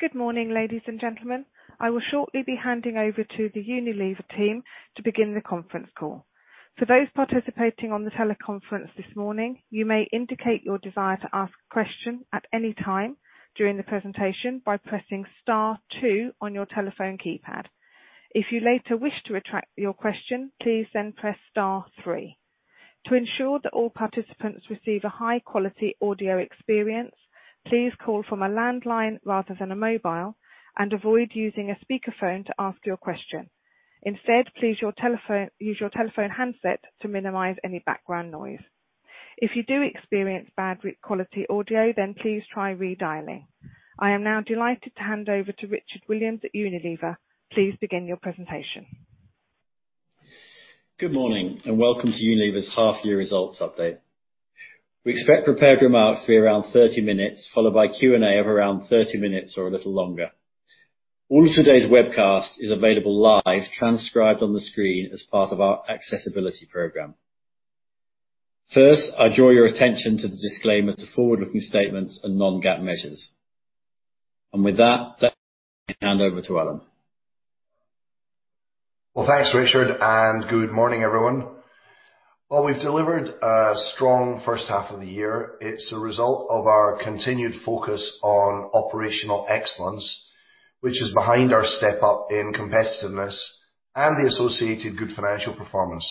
Good morning, ladies and gentlemen. I will shortly be handing over to the Unilever team to begin the conference call. For those participating on the teleconference this morning, you may indicate your desire to ask a question at any time during the presentation by pressing star two on your telephone keypad. If you later wish to retract your question, please then press star three. To ensure that all participants receive a high quality audio experience, please call from a landline rather than a mobile, and avoid using a speakerphone to ask your question. Instead, please use your telephone handset to minimize any background noise. If you do experience bad quality audio, then please try redialing. I am now delighted to hand over to Richard Williams at Unilever. Please begin your presentation. Good morning, welcome to Unilever's half year results update. We expect prepared remarks to be around 30 minutes, followed by Q&A of around 30 minutes or a little longer. All of today's webcast is available live, transcribed on the screen as part of our accessibility program. First, I draw your attention to the disclaimer to forward-looking statements and non-GAAP measures. With that, let me hand over to Alan. Well, thanks, Richard, and good morning, everyone. While we've delivered a strong first half of the year, it's a result of our continued focus on operational excellence, which is behind our step up in competitiveness and the associated good financial performance.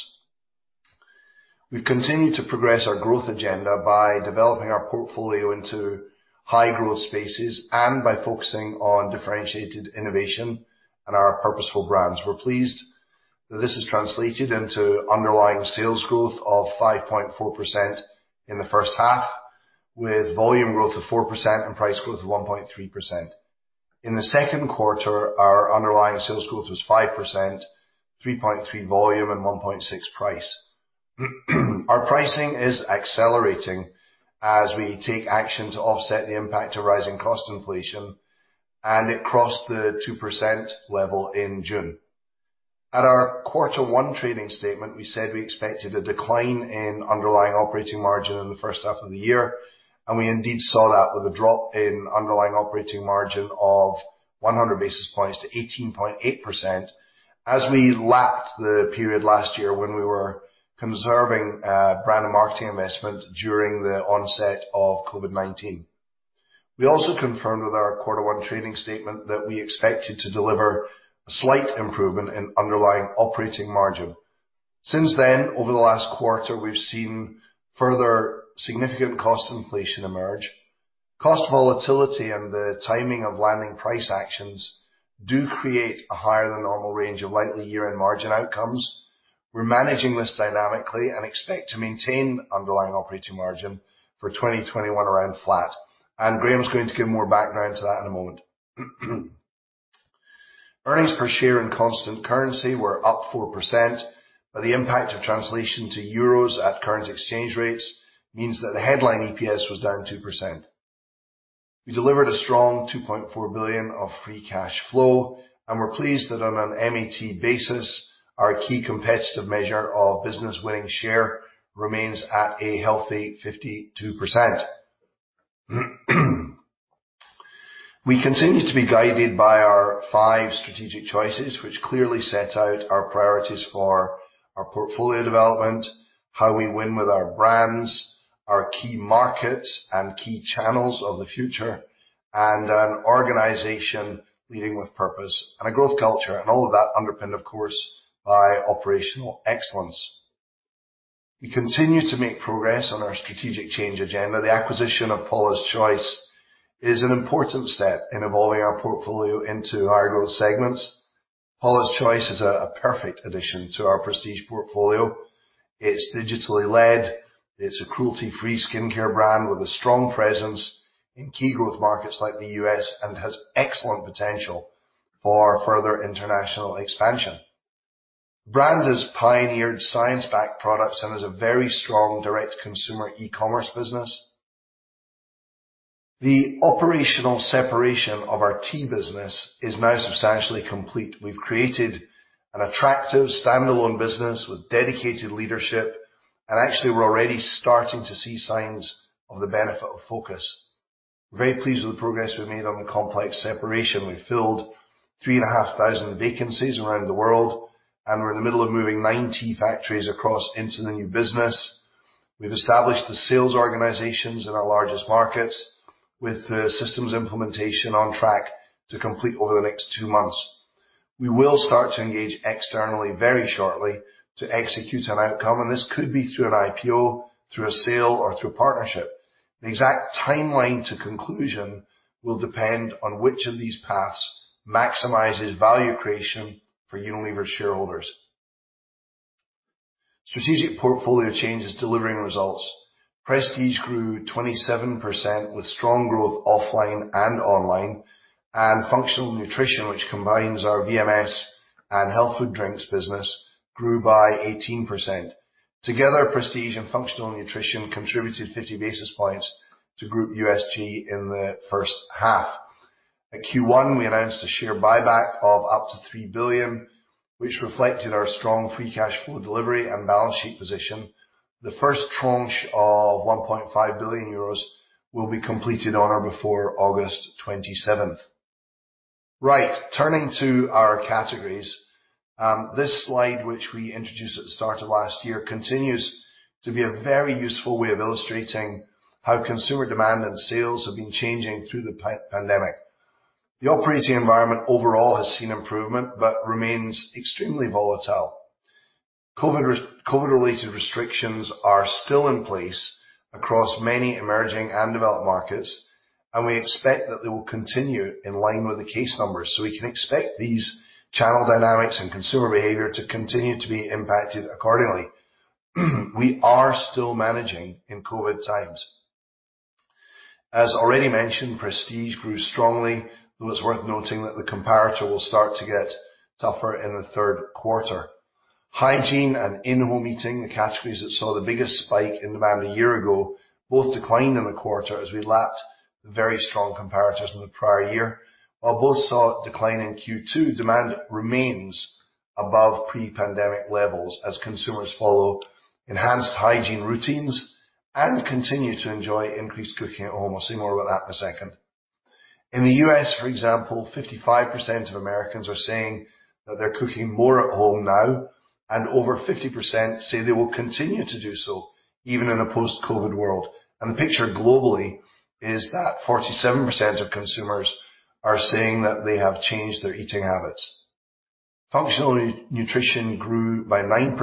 We continue to progress our growth agenda by developing our portfolio into high growth spaces and by focusing on differentiated innovation and our purposeful brands. We're pleased that this has translated into underlying sales growth of 5.4% in the first half, with volume growth of 4% and price growth of 1.3%. In the second quarter, our underlying sales growth was 5%, 3.3% volume, and 1.6% price. Our pricing is accelerating as we take action to offset the impact of rising cost inflation, and it crossed the 2% level in June. At our quarter one trading statement, we said we expected a decline in underlying operating margin in the first half of the year, and we indeed saw that with a drop in underlying operating margin of 100 basis points to 18.8% as we lapped the period last year when we were conserving brand and marketing investment during the onset of COVID-19. We also confirmed with our quarter one trading statement that we expected to deliver a slight improvement in underlying operating margin. Since then, over the last quarter, we've seen further significant cost inflation emerge. Cost volatility and the timing of landing price actions do create a higher than normal range of likely year-end margin outcomes. We're managing this dynamically and expect to maintain underlying operating margin for 2021 around flat, and Graeme is going to give more background to that in a moment. Earnings per share in constant currency were up 4%, but the impact of translation to euros at current exchange rates means that the headline EPS was down 2%. We delivered a strong 2.4 billion of free cash flow, and we're pleased that on an MAT basis, our key competitive measure of business winning share remains at a healthy 52%. We continue to be guided by our five strategic choices, which clearly set out our priorities for our portfolio development, how we win with our brands, our key markets and key channels of the future, and an organization leading with purpose and a growth culture, and all of that underpinned, of course, by operational excellence. We continue to make progress on our strategic change agenda. The acquisition of Paula's Choice is an important step in evolving our portfolio into our growth segments. Paula's Choice is a perfect addition to our Prestige portfolio. It's digitally led, it's a cruelty-free skincare brand with a strong presence in key growth markets like the U.S. and has excellent potential for further international expansion. The brand has pioneered science-backed products and has a very strong direct-to-consumer e-commerce business. The operational separation of our tea business is now substantially complete. We've created an attractive standalone business with dedicated leadership, and actually, we're already starting to see signs of the benefit of focus. We're very pleased with the progress we've made on the complex separation. We filled 3,500 vacancies around the world, and we're in the middle of moving 90 factories across into the new business. We've established the sales organizations in our largest markets with the systems implementation on track to complete over the next two months. We will start to engage externally very shortly to execute an outcome, and this could be through an IPO, through a sale, or through a partnership. The exact timeline to conclusion will depend on which of these paths maximizes value creation for Unilever shareholders. Strategic portfolio change is delivering results. Prestige grew 27% with strong growth offline and online, and Functional Nutrition, which combines our VMS and health food drinks business, grew by 18%. Together, Prestige and Functional Nutrition contributed 50 basis points to group USG in the first half. At Q1, we announced a share buyback of up to 3 billion, which reflected our strong free cash flow delivery and balance sheet position. The first tranche of 1.5 billion euros will be completed on or before August 27th. Right. Turning to our categories. This slide, which we introduced at the start of last year, continues to be a very useful way of illustrating how consumer demand and sales have been changing through the pandemic. The operating environment overall has seen improvement but remains extremely volatile. COVID-related restrictions are still in place across many emerging and developed markets, and we expect that they will continue in line with the case numbers. We can expect these channel dynamics and consumer behavior to continue to be impacted accordingly. We are still managing in COVID times. As already mentioned, Prestige grew strongly, though it's worth noting that the comparator will start to get tougher in the third quarter. Hygiene and in-home eating, the categories that saw the biggest spike in demand a year ago, both declined in the quarter as we lapped the very strong comparators in the prior year. While both saw a decline in Q2, demand remains above pre-pandemic levels as consumers follow enhanced hygiene routines and continue to enjoy increased cooking at home. I'll say more about that in a second. In the U.S., for example, 55% of Americans are saying that they're cooking more at home now, and over 50% say they will continue to do so even in a post-COVID world. The picture globally is that 47% of consumers are saying that they have changed their eating habits. Functional Nutrition grew by 9%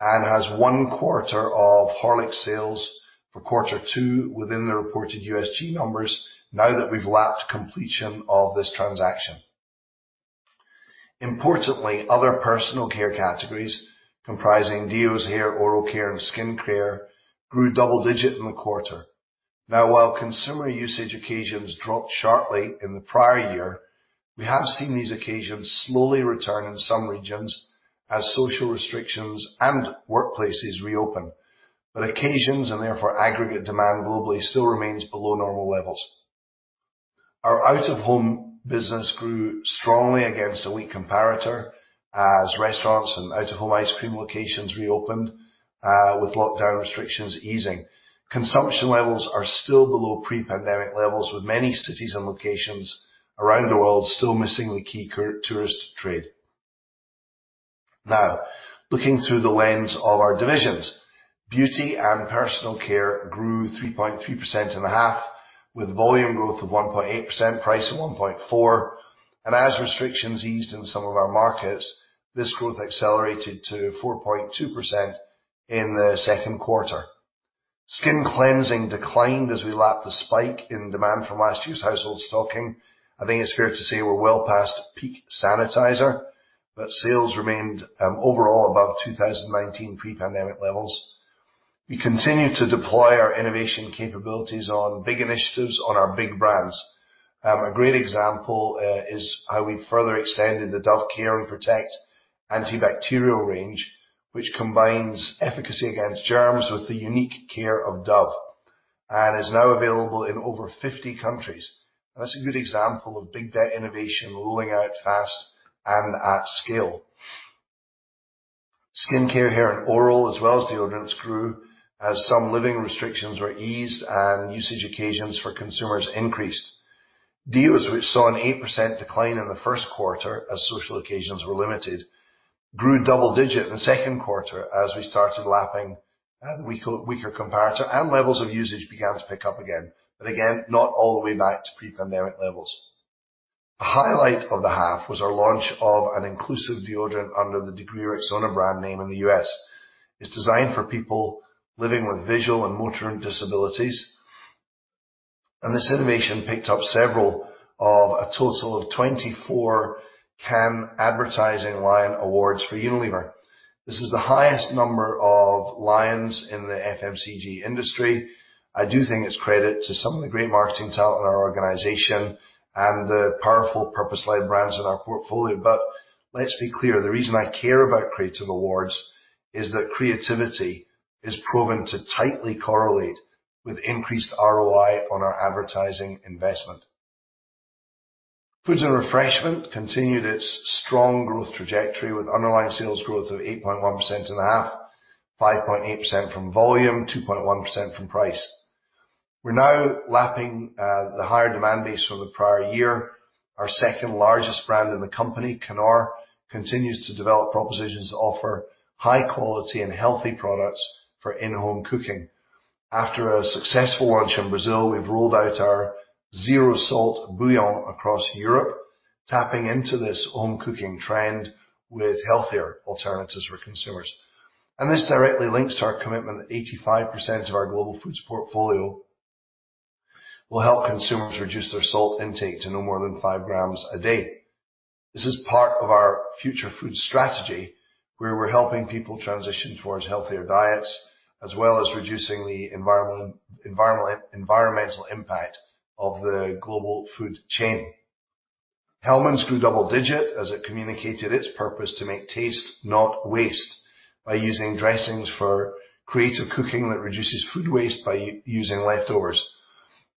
and has one quarter of Horlicks sales for quarter two within the reported USG numbers now that we've lapped completion of this transaction. Importantly, other personal care categories comprising deos, hair, oral care, and skin care grew double digit in the quarter. Now, while consumer usage occasions dropped sharply in the prior year, we have seen these occasions slowly return in some regions as social restrictions and workplaces reopen. Occasions, and therefore aggregate demand globally still remains below normal levels. Our out-of-home business grew strongly against a weak comparator as restaurants and out-of-home ice cream locations reopened with lockdown restrictions easing. Consumption levels are still below pre-pandemic levels, with many cities and locations around the world still missing the key tourist trade. Now, looking through the lens of our divisions, beauty and personal care grew 3.3% in the half with volume growth of 1.8%, price of 1.4%, and as restrictions eased in some of our markets, this growth accelerated to 4.2% in the second quarter. Skin cleansing declined as we lapped the spike in demand from last year's household stocking. I think it's fair to say we're well past peak sanitizer, but sales remained overall above 2019 pre-pandemic levels. We continue to deploy our innovation capabilities on big initiatives on our big brands. A great example is how we've further extended the Dove Care and Protect antibacterial range, which combines efficacy against germs with the unique care of Dove and is now available in over 50 countries. That's a good example of big, bold innovation rolling out fast and at scale. Skincare, hair, and oral, as well as deodorants, grew as some living restrictions were eased and usage occasions for consumers increased. Deos, which saw an 8% decline in the first quarter as social occasions were limited, grew double digit in the second quarter as we started lapping weaker comparator and levels of usage began to pick up again, but again, not all the way back to pre-pandemic levels. A highlight of the half was our launch of an inclusive deodorant under the Degree Inclusive brand name in the U.S. It's designed for people living with visual and motor disabilities, this innovation picked up several of a total of 24 Cannes advertising Lion awards for Unilever. This is the highest number of Lions in the FMCG industry. I do think it's credit to some of the great marketing talent in our organization and the powerful purpose-led brands in our portfolio. Let's be clear, the reason I care about creative awards is that creativity is proven to tightly correlate with increased ROI on our advertising investment. Foods and Refreshment continued its strong growth trajectory with underlying sales growth of 8.1% in the half, 5.8% from volume, 2.1% from price. We're now lapping the higher demand base from the prior year. Our second largest brand in the company, Knorr, continues to develop propositions that offer high quality and healthy products for in-home cooking. After a successful launch in Brazil, we've rolled out our zero salt bouillon across Europe, tapping into this home cooking trend with healthier alternatives for consumers. This directly links to our commitment that 85% of our global foods portfolio will help consumers reduce their salt intake to no more than five grams a day. This is part of our future food strategy, where we're helping people transition towards healthier diets, as well as reducing the environmental impact of the global food chain. Hellmann's grew double digit as it communicated its purpose to make taste, not waste, by using dressings for creative cooking that reduces food waste by using leftovers.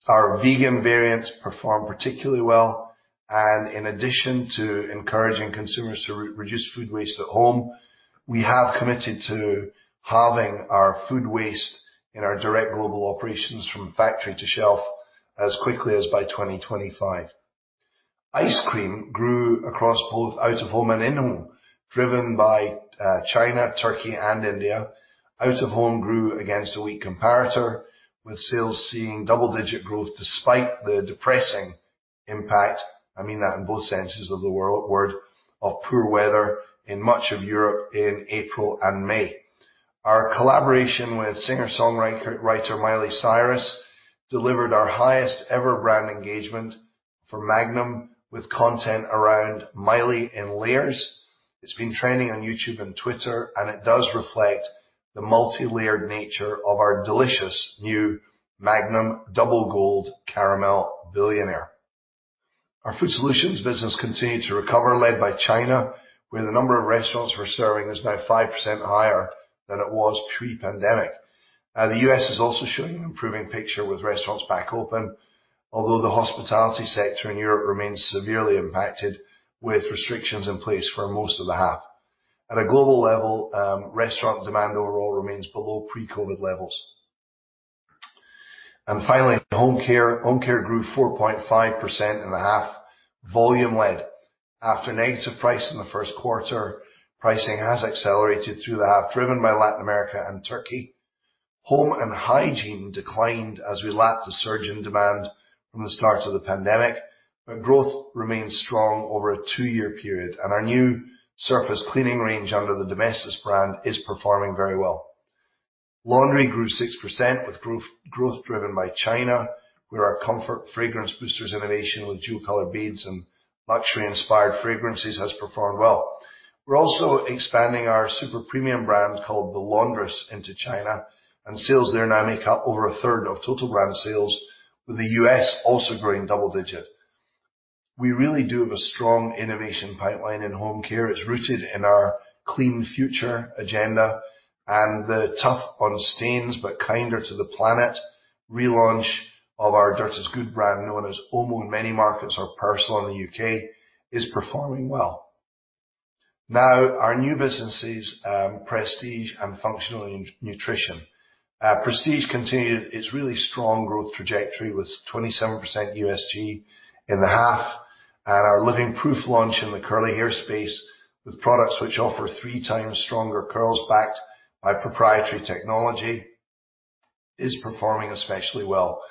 Our vegan variants performed particularly well, and in addition to encouraging consumers to reduce food waste at home, we have committed to halving our food waste in our direct global operations from factory to shelf as quickly as by 2025. Ice cream grew across both out of home and in-home, driven by China, Turkey, and India. Out of home grew against a weak comparator, with sales seeing double-digit growth despite the depressing impact, I mean that in both senses of the word, of poor weather in much of Europe in April and May. Our collaboration with singer-songwriter Miley Cyrus delivered our highest ever brand engagement for Magnum, with content around Miley In Layers. It's been trending on YouTube and Twitter, and it does reflect the multilayered nature of our delicious new Magnum Double Gold Caramel Billionaire. Our Unilever Food Solutions business continued to recover, led by China, where the number of restaurants we're serving is now 5% higher than it was pre-pandemic. The U.S. is also showing an improving picture with restaurants back open, although the hospitality sector in Europe remains severely impacted, with restrictions in place for most of the half. At a global level, restaurant demand overall remains below pre-COVID levels. Finally, home care grew 4.5% in the half, volume led. After negative price in the first quarter, pricing has accelerated through the half, driven by Latin America and Turkey. Home and hygiene declined as we lapped the surge in demand from the start of the pandemic, but growth remains strong over a 2-year period, and our new surface cleaning range under the Domestos brand is performing very well. Laundry grew 6% with growth driven by China, where our Comfort fragrance boosters innovation with dual color beads and luxury inspired fragrances has performed well. We're also expanding our super premium brand called The Laundress into China, and sales there now make up over a third of total brand sales, with the U.S. also growing double digit. We really do have a strong innovation pipeline in home care. It's rooted in our clean future agenda and the tough on stains but kinder to the planet relaunch of our Dirt Is Good brand, known as Omo in many markets or Persil in the U.K., is performing well. Now, our new businesses, Prestige and Functional Nutrition. Prestige continued its really strong growth trajectory with 27% USG in the half. Our Living Proof launch in the curly hair space with products which offer three times stronger curls backed by proprietary technology is performing especially well.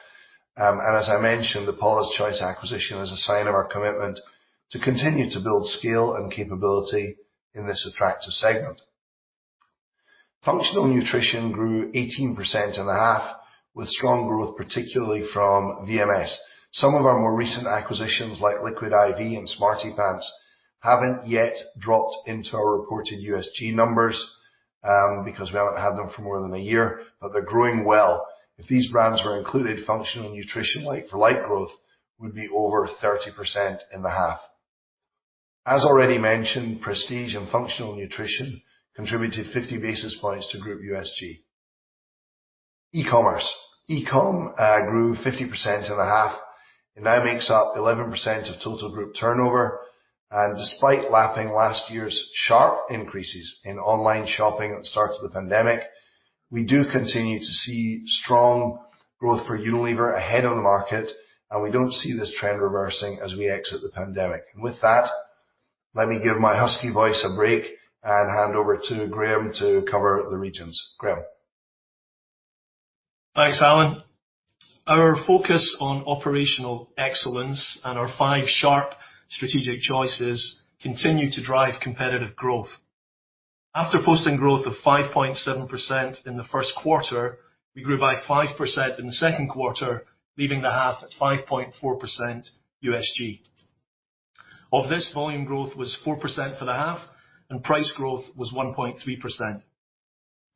As I mentioned, the Paula's Choice acquisition is a sign of our commitment to continue to build scale and capability in this attractive segment. Functional Nutrition grew 18% in the half with strong growth, particularly from VMS. Some of our more recent acquisitions, like Liquid I.V. and SmartyPants, haven't yet dropped into our reported USG numbers, because we haven't had them for more than 1 year, but they're growing well. If these brands were included, Functional Nutrition like-for-like growth would be over 30% in the half. As already mentioned, Prestige and Functional Nutrition contributed 50 basis points to group USG. E-commerce. E-com grew 50% in the half and now makes up 11% of total group turnover. Despite lapping last year's sharp increases in online shopping at the start of the pandemic, we do continue to see strong growth for Unilever ahead of the market, we don't see this trend reversing as we exit the pandemic. With that, let me give my husky voice a break and hand over to Graeme to cover the regions. Graeme? Thanks, Alan. Our focus on operational excellence and our five sharp strategic choices continue to drive competitive growth. After posting growth of 5.7% in the first quarter, we grew by 5% in the second quarter, leaving the half at 5.4% USG. Of this, volume growth was 4% for the half and price growth was 1.3%.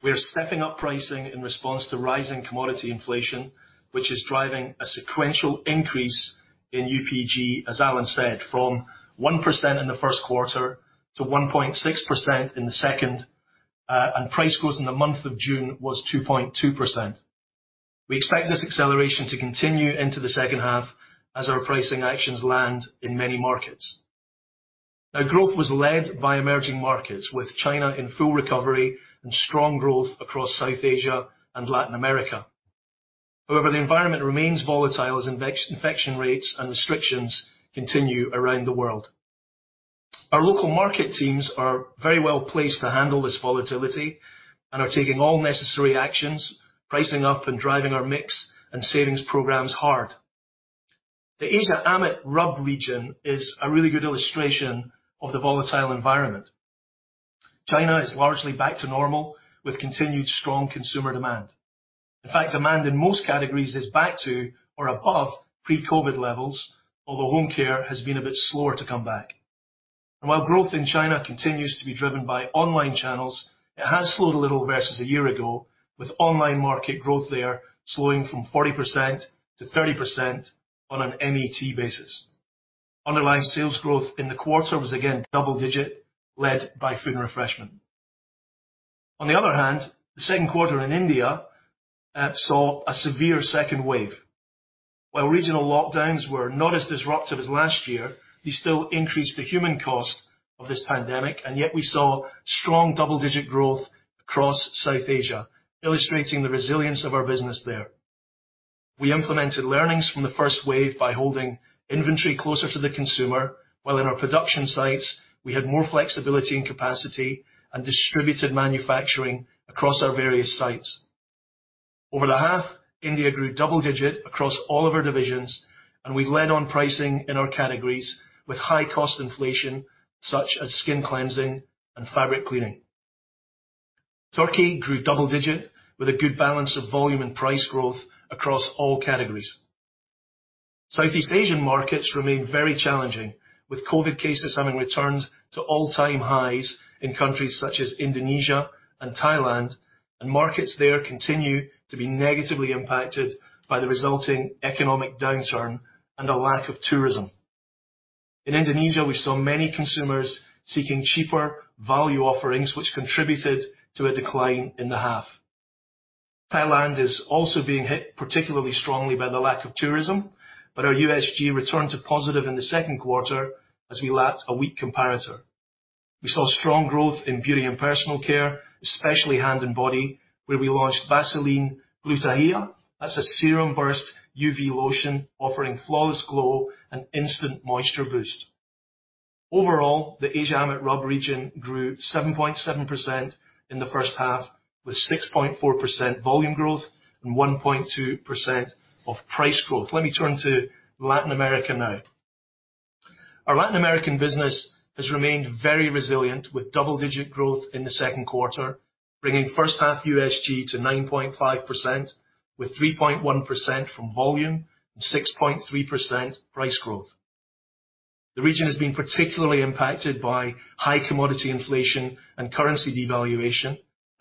We are stepping up pricing in response to rising commodity inflation, which is driving a sequential increase in UPG, as Alan said, from 1% in the first quarter to 1.6% in the second, and price growth in the month of June was 2.2%. We expect this acceleration to continue into the second half as our pricing actions land in many markets. Growth was led by emerging markets, with China in full recovery and strong growth across South Asia and Latin America. However, the environment remains volatile as infection rates and restrictions continue around the world. Our local market teams are very well placed to handle this volatility and are taking all necessary actions, pricing up and driving our mix and savings programs hard. The Asia AMET RUB region is a really good illustration of the volatile environment. China is largely back to normal, with continued strong consumer demand. In fact, demand in most categories is back to or above pre-COVID levels, although home care has been a bit slower to come back. While growth in China continues to be driven by online channels, it has slowed a little versus a year ago, with online market growth there slowing from 40% to 30% on an MET basis. Underlying sales growth in the quarter was again double digit, led by food and refreshment. On the other hand, the second quarter in India saw a severe second wave. While regional lockdowns were not as disruptive as last year, they still increased the human cost of this pandemic, and yet we saw strong double-digit growth across South Asia, illustrating the resilience of our business there. We implemented learnings from the first wave by holding inventory closer to the consumer, while in our production sites we had more flexibility and capacity and distributed manufacturing across our various sites. Over the half, India grew double digit across all of our divisions, and we led on pricing in our categories with high cost inflation, such as skin cleansing and fabric cleaning. Turkey grew double digit with a good balance of volume and price growth across all categories. Southeast Asian markets remain very challenging, with COVID cases having returned to all-time highs in countries such as Indonesia and Thailand, and markets there continue to be negatively impacted by the resulting economic downturn and a lack of tourism. In Indonesia, we saw many consumers seeking cheaper value offerings, which contributed to a decline in the half. Thailand is also being hit particularly strongly by the lack of tourism, but our USG returned to positive in the second quarter as we lapped a weak comparator. We saw strong growth in beauty and personal care, especially hand and body, where we launched Vaseline Gluta-Hya. That's a serum burst UV lotion offering flawless glow and instant moisture boost. Overall, the Asia AMET RUB region grew 7.7% in the first half, with 6.4% volume growth and 1.2% of price growth. Let me turn to Latin America now. Our Latin American business has remained very resilient with double-digit growth in the second quarter, bringing first half USG to 9.5%, with 3.1% from volume and 6.3% price growth. The region has been particularly impacted by high commodity inflation and currency devaluation.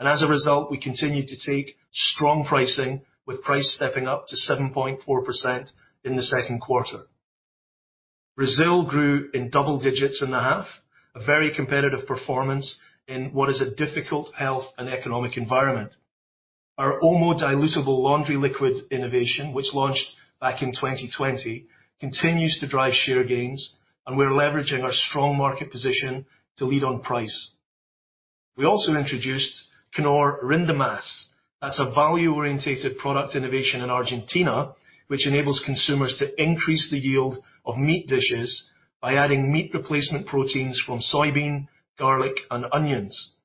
As a result, we continue to take strong pricing with price stepping up to 7.4% in the second quarter. Brazil grew in double digits in the half, a very competitive performance in what is a difficult health and economic environment. Our OMO dilutable laundry liquid innovation, which launched back in 2020, continues to drive share gains. We're leveraging our strong market position to lead on price. We also introduced Knorr Rinde Más. That's a value-orientated product innovation in Argentina, which enables consumers to increase the yield of meat dishes by adding meat replacement proteins from soybean, garlic, and onions.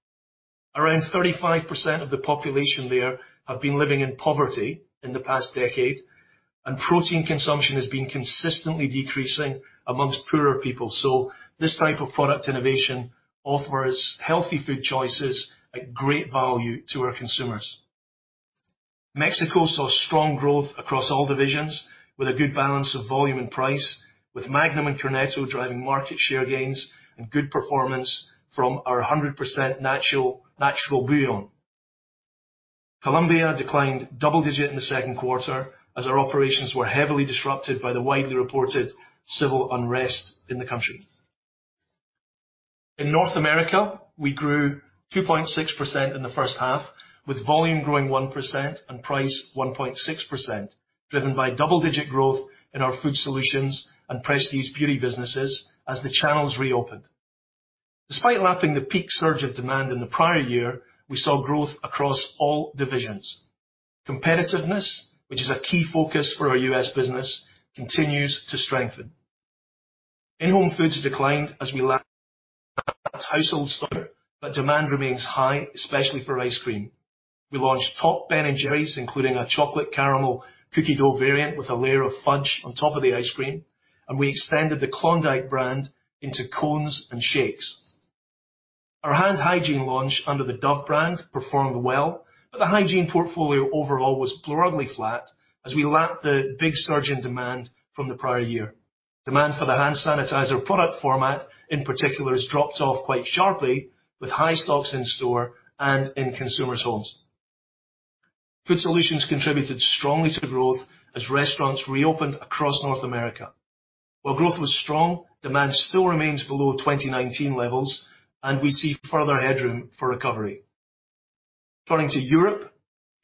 Around 35% of the population there have been living in poverty in the past decade, and protein consumption has been consistently decreasing amongst poorer people. This type of product innovation offers healthy food choices at great value to our consumers. Mexico saw strong growth across all divisions with a good balance of volume and price, with Magnum and Cornetto driving market share gains and good performance from our 100% natural bouillon. Colombia declined double-digit in the second quarter as our operations were heavily disrupted by the widely reported civil unrest in the country. In North America, we grew 2.6% in the first half, with volume growing 1% and price 1.6%, driven by double-digit growth in our Unilever Food Solutions and Prestige businesses as the channels reopened. Despite lapping the peak surge of demand in the prior year, we saw growth across all divisions. Competitiveness, which is a key focus for our U.S. business, continues to strengthen. In-home foods declined as we lapped household stock, but demand remains high, especially for ice cream. We launched Topped Ben & Jerry's, including our Chocolate Caramel Cookie Dough variant with a layer of fudge on top of the ice cream, and we extended the Klondike brand into cones and shakes. Our hand hygiene launch under the Dove brand performed well, but the hygiene portfolio overall was broadly flat as we lapped the big surge in demand from the prior year. Demand for the hand sanitizer product format, in particular, has dropped off quite sharply with high stocks in store and in consumers' homes. Food Solutions contributed strongly to growth as restaurants reopened across North America. While growth was strong, demand still remains below 2019 levels, and we see further headroom for recovery. Turning to Europe.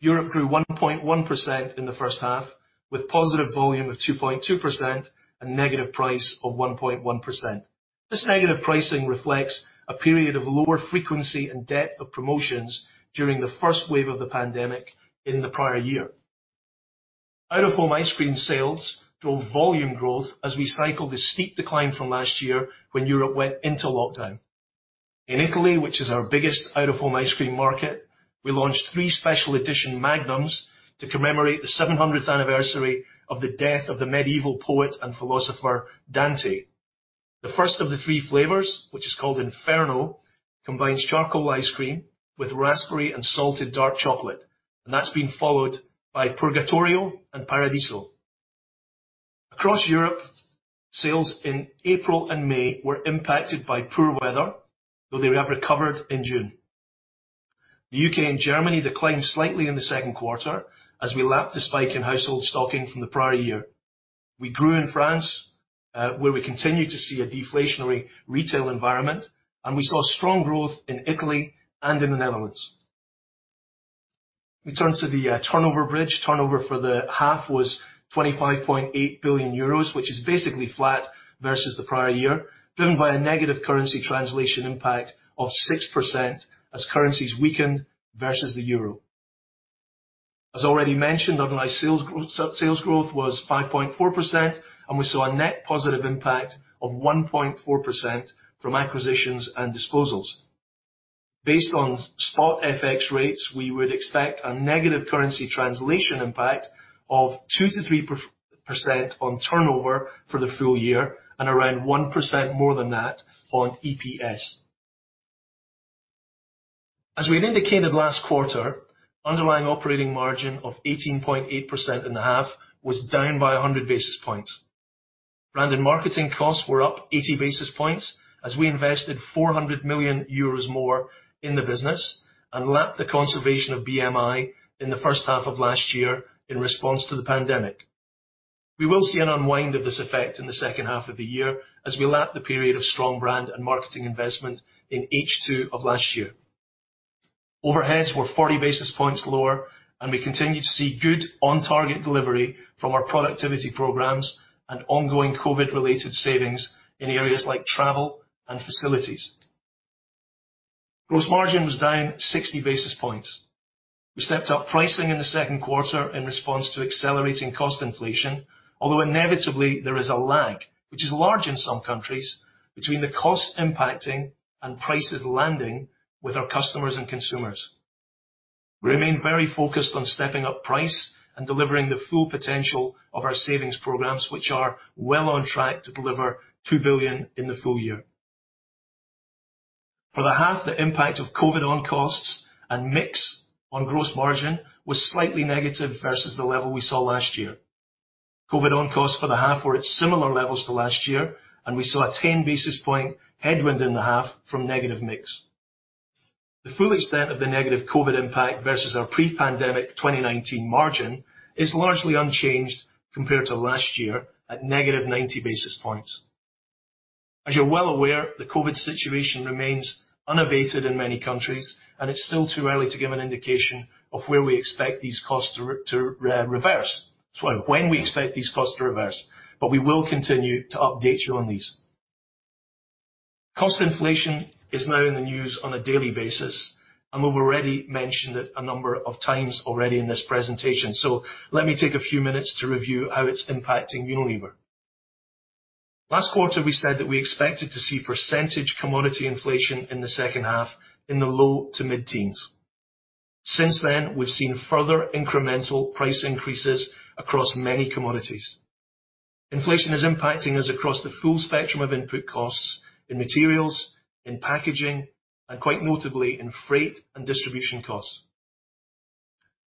Europe grew 1.1% in the first half, with positive volume of 2.2% and negative price of 1.1%. This negative pricing reflects a period of lower frequency and depth of promotions during the first wave of the pandemic in the prior year. Out of home ice cream sales drove volume growth as we cycled a steep decline from last year when Europe went into lockdown. In Italy, which is our biggest out of home ice cream market, we launched three special edition Magnums to commemorate the 700th anniversary of the death of the medieval poet and philosopher Dante. The first of the three flavors, which is called Inferno, combines charcoal ice cream with raspberry and salted dark chocolate, and that's been followed by Purgatorio and Paradiso. Across Europe, sales in April and May were impacted by poor weather, though they have recovered in June. U.K. and Germany declined slightly in the second quarter as we lapped a spike in household stocking from the prior year. We grew in France, where we continue to see a deflationary retail environment, and we saw strong growth in Italy and in the Netherlands. We turn to the turnover bridge. Turnover for the half was 25.8 billion euros, which is basically flat versus the prior year, driven by a negative currency translation impact of 6% as currencies weakened versus the euro. As already mentioned, underlying sales growth was 5.4%, and we saw a net positive impact of 1.4% from acquisitions and disposals. Based on spot FX rates, we would expect a negative currency translation impact of 2%-3% on turnover for the full year and around 1% more than that on EPS. As we had indicated last quarter, underlying operating margin of 18.8% in the half was down by 100 basis points. Brand and marketing costs were up 80 basis points as we invested 400 million euros more in the business and lapped the conservation of BMI in the first half of last year in response to the pandemic. We will see an unwind of this effect in the second half of the year as we lap the period of strong brand and marketing investment in H2 of last year. Overheads were 40 basis points lower, and we continue to see good on-target delivery from our productivity programs and ongoing COVID related savings in areas like travel and facilities. Gross margin was down 60 basis points. We stepped up pricing in the second quarter in response to accelerating cost inflation, although inevitably there is a lag, which is large in some countries, between the cost impacting and prices landing with our customers and consumers. We remain very focused on stepping up price and delivering the full potential of our savings programs, which are well on track to deliver 2 billion in the full year. For the half, the impact of COVID on costs and mix on gross margin was slightly negative versus the level we saw last year. COVID on costs for the half were at similar levels to last year, and we saw a 10 basis point headwind in the half from negative mix. The full extent of the negative COVID impact versus our pre-pandemic 2019 margin is largely unchanged compared to last year at negative 90 basis points. As you're well aware, the COVID situation remains unabated in many countries, and it's still too early to give an indication of when we expect these costs to reverse, but we will continue to update you on these. Cost inflation is now in the news on a daily basis, we've already mentioned it a number of times already in this presentation. Let me take a few minutes to review how it's impacting Unilever. Last quarter, we said that we expected to see percentage commodity inflation in the second half in the low to mid-teens. Since then, we've seen further incremental price increases across many commodities. Inflation is impacting us across the full spectrum of input costs in materials, in packaging, and quite notably, in freight and distribution costs.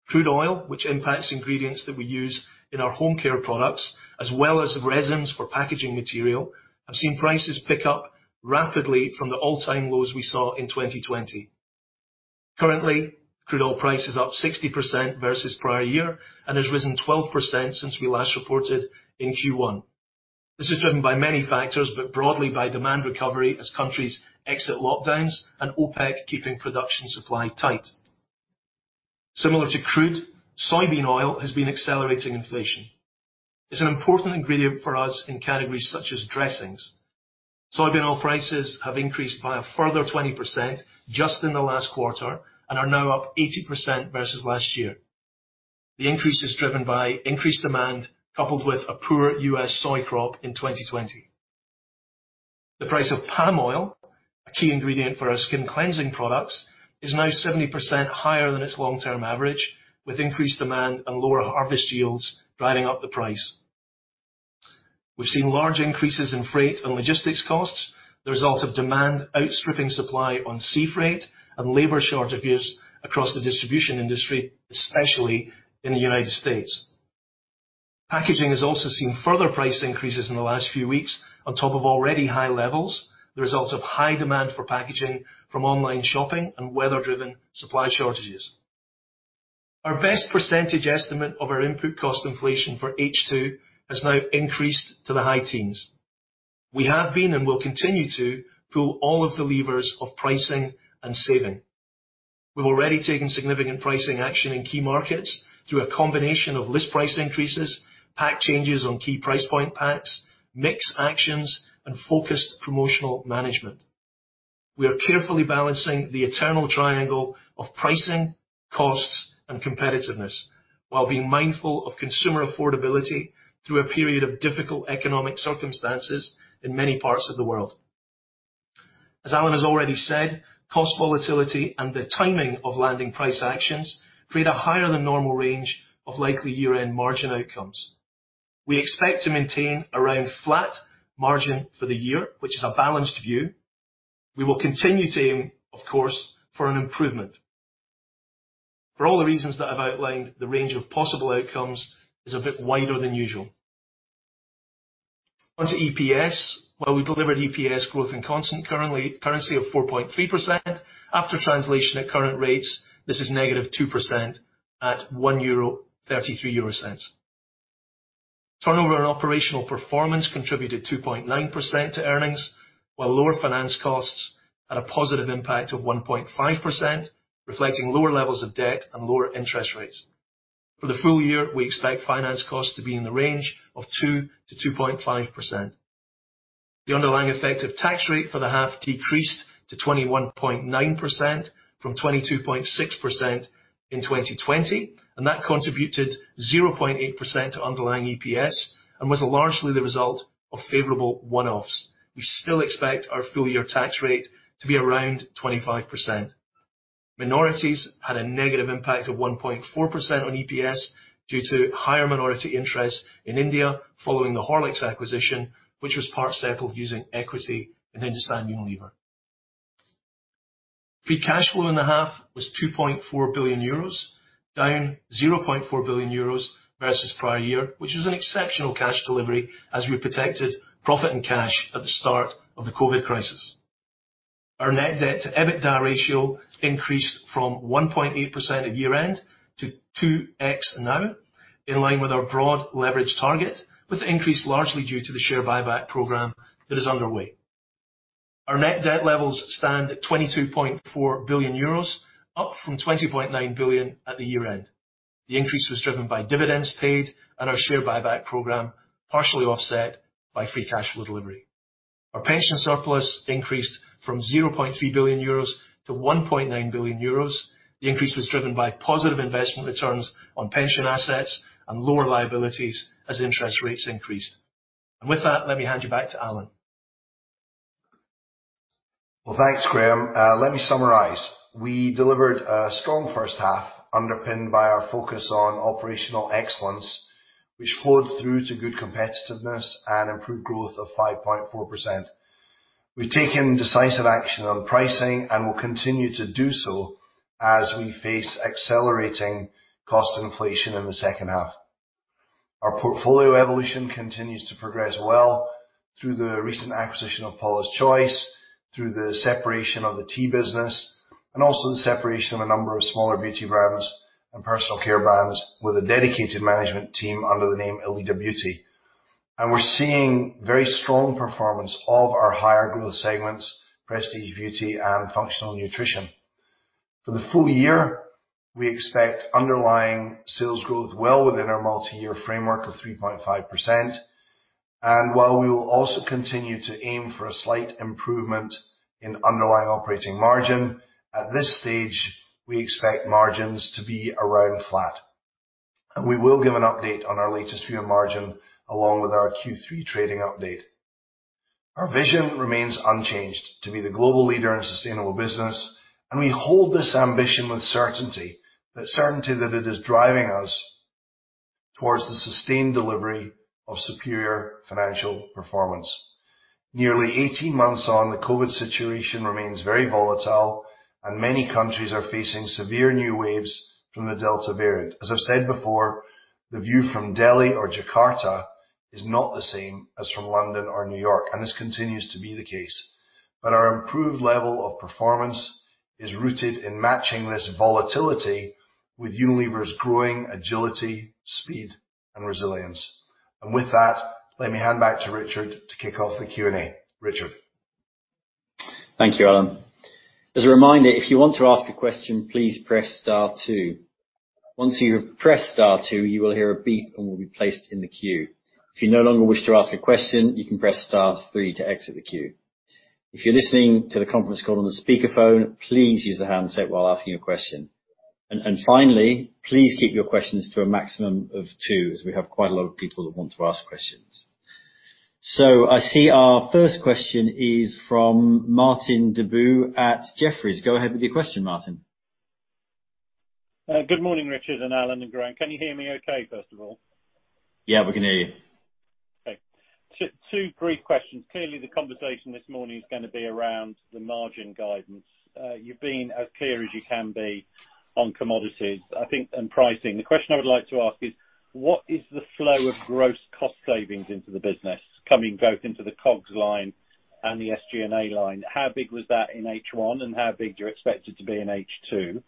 Crude oil, which impacts ingredients that we use in our home care products, as well as resins for packaging material, have seen prices pick up rapidly from the all-time lows we saw in 2020. Currently, crude oil price is up 60% versus prior year and has risen 12% since we last reported in Q1. This is driven by many factors, but broadly by demand recovery as countries exit lockdowns and OPEC keeping production supply tight. Similar to crude, soybean oil has been accelerating inflation. It's an important ingredient for us in categories such as dressings. Soybean oil prices have increased by a further 20% just in the last quarter and are now up 80% versus last year. The increase is driven by increased demand coupled with a poor U.S. soy crop in 2020. The price of palm oil, a key ingredient for our skin cleansing products, is now 70% higher than its long-term average, with increased demand and lower harvest yields driving up the price. We've seen large increases in freight and logistics costs, the result of demand outstripping supply on sea freight and labor shortages across the distribution industry, especially in the U.S. Packaging has also seen further price increases in the last few weeks on top of already high levels, the results of high demand for packaging from online shopping and weather-driven supply shortages. Our best percentage estimate of our input cost inflation for H2 has now increased to the high teens. We have been, and will continue to pull all of the levers of pricing and saving. We've already taken significant pricing action in key markets through a combination of list price increases, pack changes on key price point packs, mix actions, and focused promotional management. We are carefully balancing the eternal triangle of pricing, costs, and competitiveness while being mindful of consumer affordability through a period of difficult economic circumstances in many parts of the world. As Alan has already said, cost volatility and the timing of landing price actions create a higher than normal range of likely year-end margin outcomes. We expect to maintain around flat margin for the year, which is a balanced view. We will continue to aim, of course, for an improvement. For all the reasons that I've outlined, the range of possible outcomes is a bit wider than usual. On to EPS. While we delivered EPS growth in constant currency of 4.3%, after translation at current rates, this is negative 2% at 1.33 euro. Turnover and operational performance contributed 2.9% to earnings, while lower finance costs had a positive impact of 1.5%, reflecting lower levels of debt and lower interest rates. For the full year, we expect finance costs to be in the range of 2%-2.5%. The underlying effective tax rate for the half decreased to 21.9% from 22.6% in 2020, and that contributed 0.8% to underlying EPS and was largely the result of favorable one-offs. We still expect our full-year tax rate to be around 25%. Minorities had a negative impact of 1.4% on EPS due to higher minority interests in India following the Horlicks acquisition, which was part settled using equity in Hindustan Unilever. Free cash flow in the half was €2.4 billion, down €0.4 billion versus prior year, which was an exceptional cash delivery as we protected profit and cash at the start of the COVID crisis. Our net debt to EBITDA ratio increased from 1.8% at year end to 2x now, in line with our broad leverage target, with the increase largely due to the share buyback program that is underway. Our net debt levels stand at €22.4 billion, up from 20.9 billion at the year end. The increase was driven by dividends paid and our share buyback program, partially offset by free cash flow delivery. Our pension surplus increased from €0.3 billion to €1.9 billion. The increase was driven by positive investment returns on pension assets and lower liabilities as interest rates increased. With that, let me hand you back to Alan. Well, thanks, Graeme. Let me summarize. We delivered a strong first half underpinned by our focus on operational excellence, which flowed through to good competitiveness and improved growth of 5.4%. We've taken decisive action on pricing and will continue to do so as we face accelerating cost inflation in the second half. Our portfolio evolution continues to progress well through the recent acquisition of Paula's Choice, through the separation of the tea business, and also the separation of a number of smaller beauty brands and personal care brands with a dedicated management team under the name Elida Beauty. We're seeing very strong performance of our higher growth segments, Prestige Beauty and Functional Nutrition. For the full year, we expect underlying sales growth well within our multi-year framework of 3.5%. While we will also continue to aim for a slight improvement in underlying operating margin, at this stage, we expect margins to be around flat. We will give an update on our latest view of margin along with our Q3 trading update. Our vision remains unchanged, to be the global leader in sustainable business. We hold this ambition with certainty. That certainty that it is driving us towards the sustained delivery of superior financial performance. Nearly 18 months on, the COVID situation remains very volatile. Many countries are facing severe new waves from the Delta variant. As I've said before, the view from Delhi or Jakarta is not the same as from London or New York. This continues to be the case. Our improved level of performance is rooted in matching this volatility with Unilever's growing agility, speed, and resilience. With that, let me hand back to Richard to kick off the Q&A. Richard. Thank you, Alan. As a reminder, if you want to ask a question, please press star two. Once you've pressed star two, you will hear a beep and will be placed in the queue. If you no longer wish to ask a question, you can press star three to exit the queue. If you're listening to the conference call on the speakerphone, please use the handset while asking a question. Finally, please keep your questions to a maximum of two, as we have quite a lot of people that want to ask questions. I see our first question is from Martin Deboo at Jefferies. Go ahead with your question, Martin. Good morning, Richard and Alan and Graeme. Can you hear me okay, first of all? Yeah, we can hear you. Okay. Two brief questions. Clearly, the conversation this morning is going to be around the margin guidance. You've been as clear as you can be on commodities, I think, and pricing. The question I would like to ask is, what is the flow of gross cost savings into the business coming both into the COGS line and the SG&A line? How big was that in H1, and how big do you expect it to be in H2?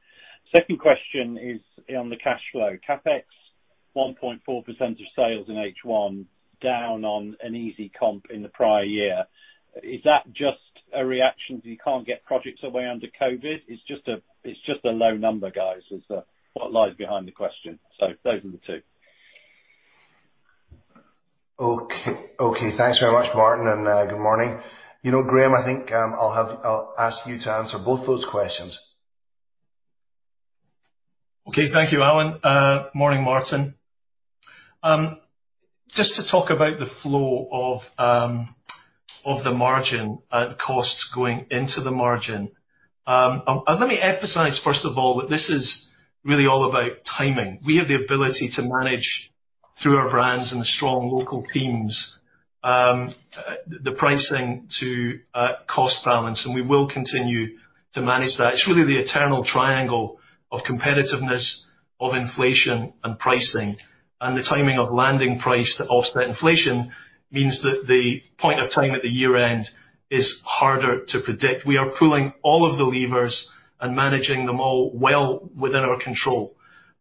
Second question is on the cash flow. CapEx 1.4% of sales in H1, down on an easy comp in the prior year. Is that just a reaction to you can't get projects away under COVID? It's just a low number, guys, is what lies behind the question. Those are the two. Okay. Thanks very much, Martin, and good morning. Graeme, I think I'll ask you to answer both those questions. Thank you, Alan. Morning, Martin. To talk about the flow of the margin and costs going into the margin. Let me emphasize, first of all, that this is really all about timing. We have the ability to manage through our brands and the strong local teams, the pricing to cost balance, and we will continue to manage that. It's really the eternal triangle of competitiveness, of inflation, and pricing. The timing of landing price to offset inflation means that the point of timing at the year-end is harder to predict. We are pulling all of the levers and managing them all well within our control.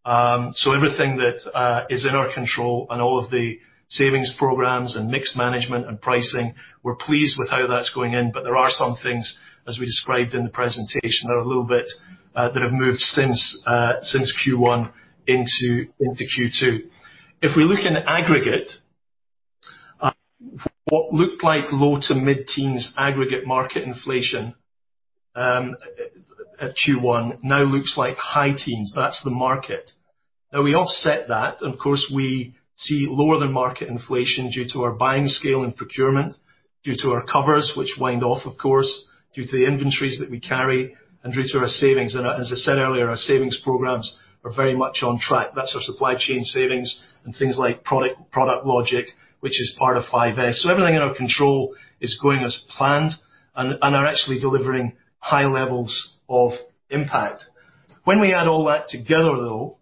Everything that is in our control and all of the savings programs and mixed management and pricing, we're pleased with how that's going in, but there are some things, as we described in the presentation, that have moved since Q1 into Q2. If we look in aggregate, what looked like low to mid-teens aggregate market inflation at Q1 now looks like high teens. That's the market. We offset that. Of course, we see lower than market inflation due to our buying scale and procurement, due to our covers, which wind off, of course, due to the inventories that we carry and due to our savings. As I said earlier, our savings programs are very much on track. That's our supply chain savings and things like product logic, which is part of 5S. Everything in our control is going as planned and are actually delivering high levels of impact. When we add all that together, though,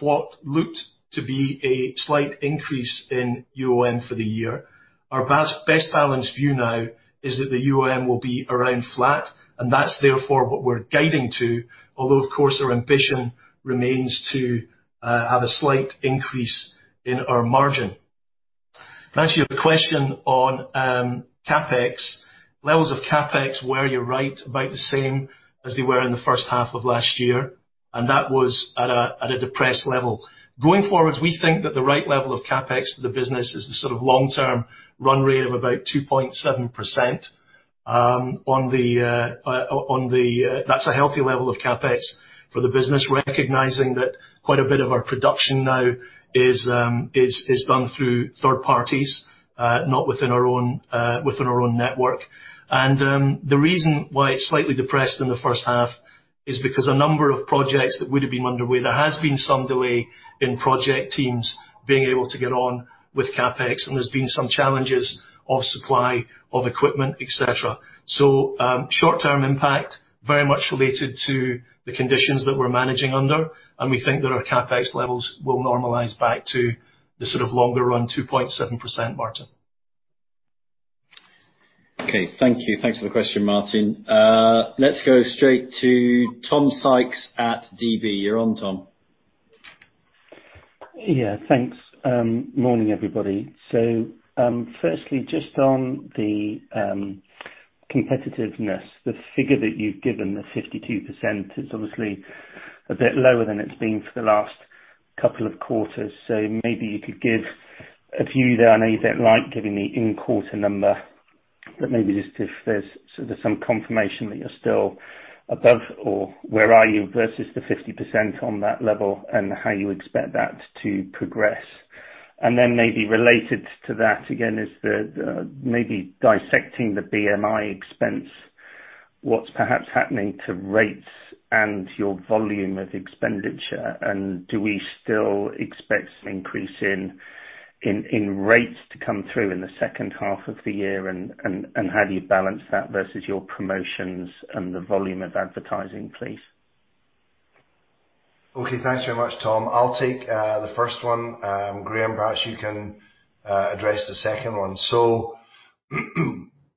what looked to be a slight increase in UOM for the year, our best balanced view now is that the UOM will be around flat, and that's therefore what we're guiding to. Although, of course, our ambition remains to have a slight increase in our margin. To your question on CapEx. Levels of CapEx, where you're right, about the same as they were in the first half of last year, and that was at a depressed level. Going forwards, we think that the right level of CapEx for the business is the sort of long term run rate of about 2.7%. That's a healthy level of CapEx for the business, recognizing that quite a bit of our production now is done through third parties, not within our own network. The reason why it's slightly depressed in the first half is because a number of projects that would have been underway, there has been some delay in project teams being able to get on with CapEx, and there's been some challenges of supply of equipment, et cetera. Short term impact, very much related to the conditions that we're managing under, and we think that our CapEx levels will normalize back to the sort of longer run, 2.7% margin. Okay. Thank you. Thanks for the question, Martin. Let's go straight to Tom Sykes at DB. You're on, Tom. Thanks. Morning, everybody. Firstly, just on the competitiveness, the figure that you've given, the 52%, is obviously a bit lower than it's been for the last couple of quarters. Maybe you could give a view there. I know you don't like giving the in-quarter number, maybe just if there's some confirmation that you're still above or where are you versus the 50% on that level and how you expect that to progress. Then maybe related to that, again, is maybe dissecting the BMI expense, what's perhaps happening to rates and your volume of expenditure, and do we still expect some increase in rates to come through in the second half of the year, and how do you balance that versus your promotions and the volume of advertising, please? Okay. Thanks very much, Tom. I'll take the first one. Graeme, perhaps you can address the second one.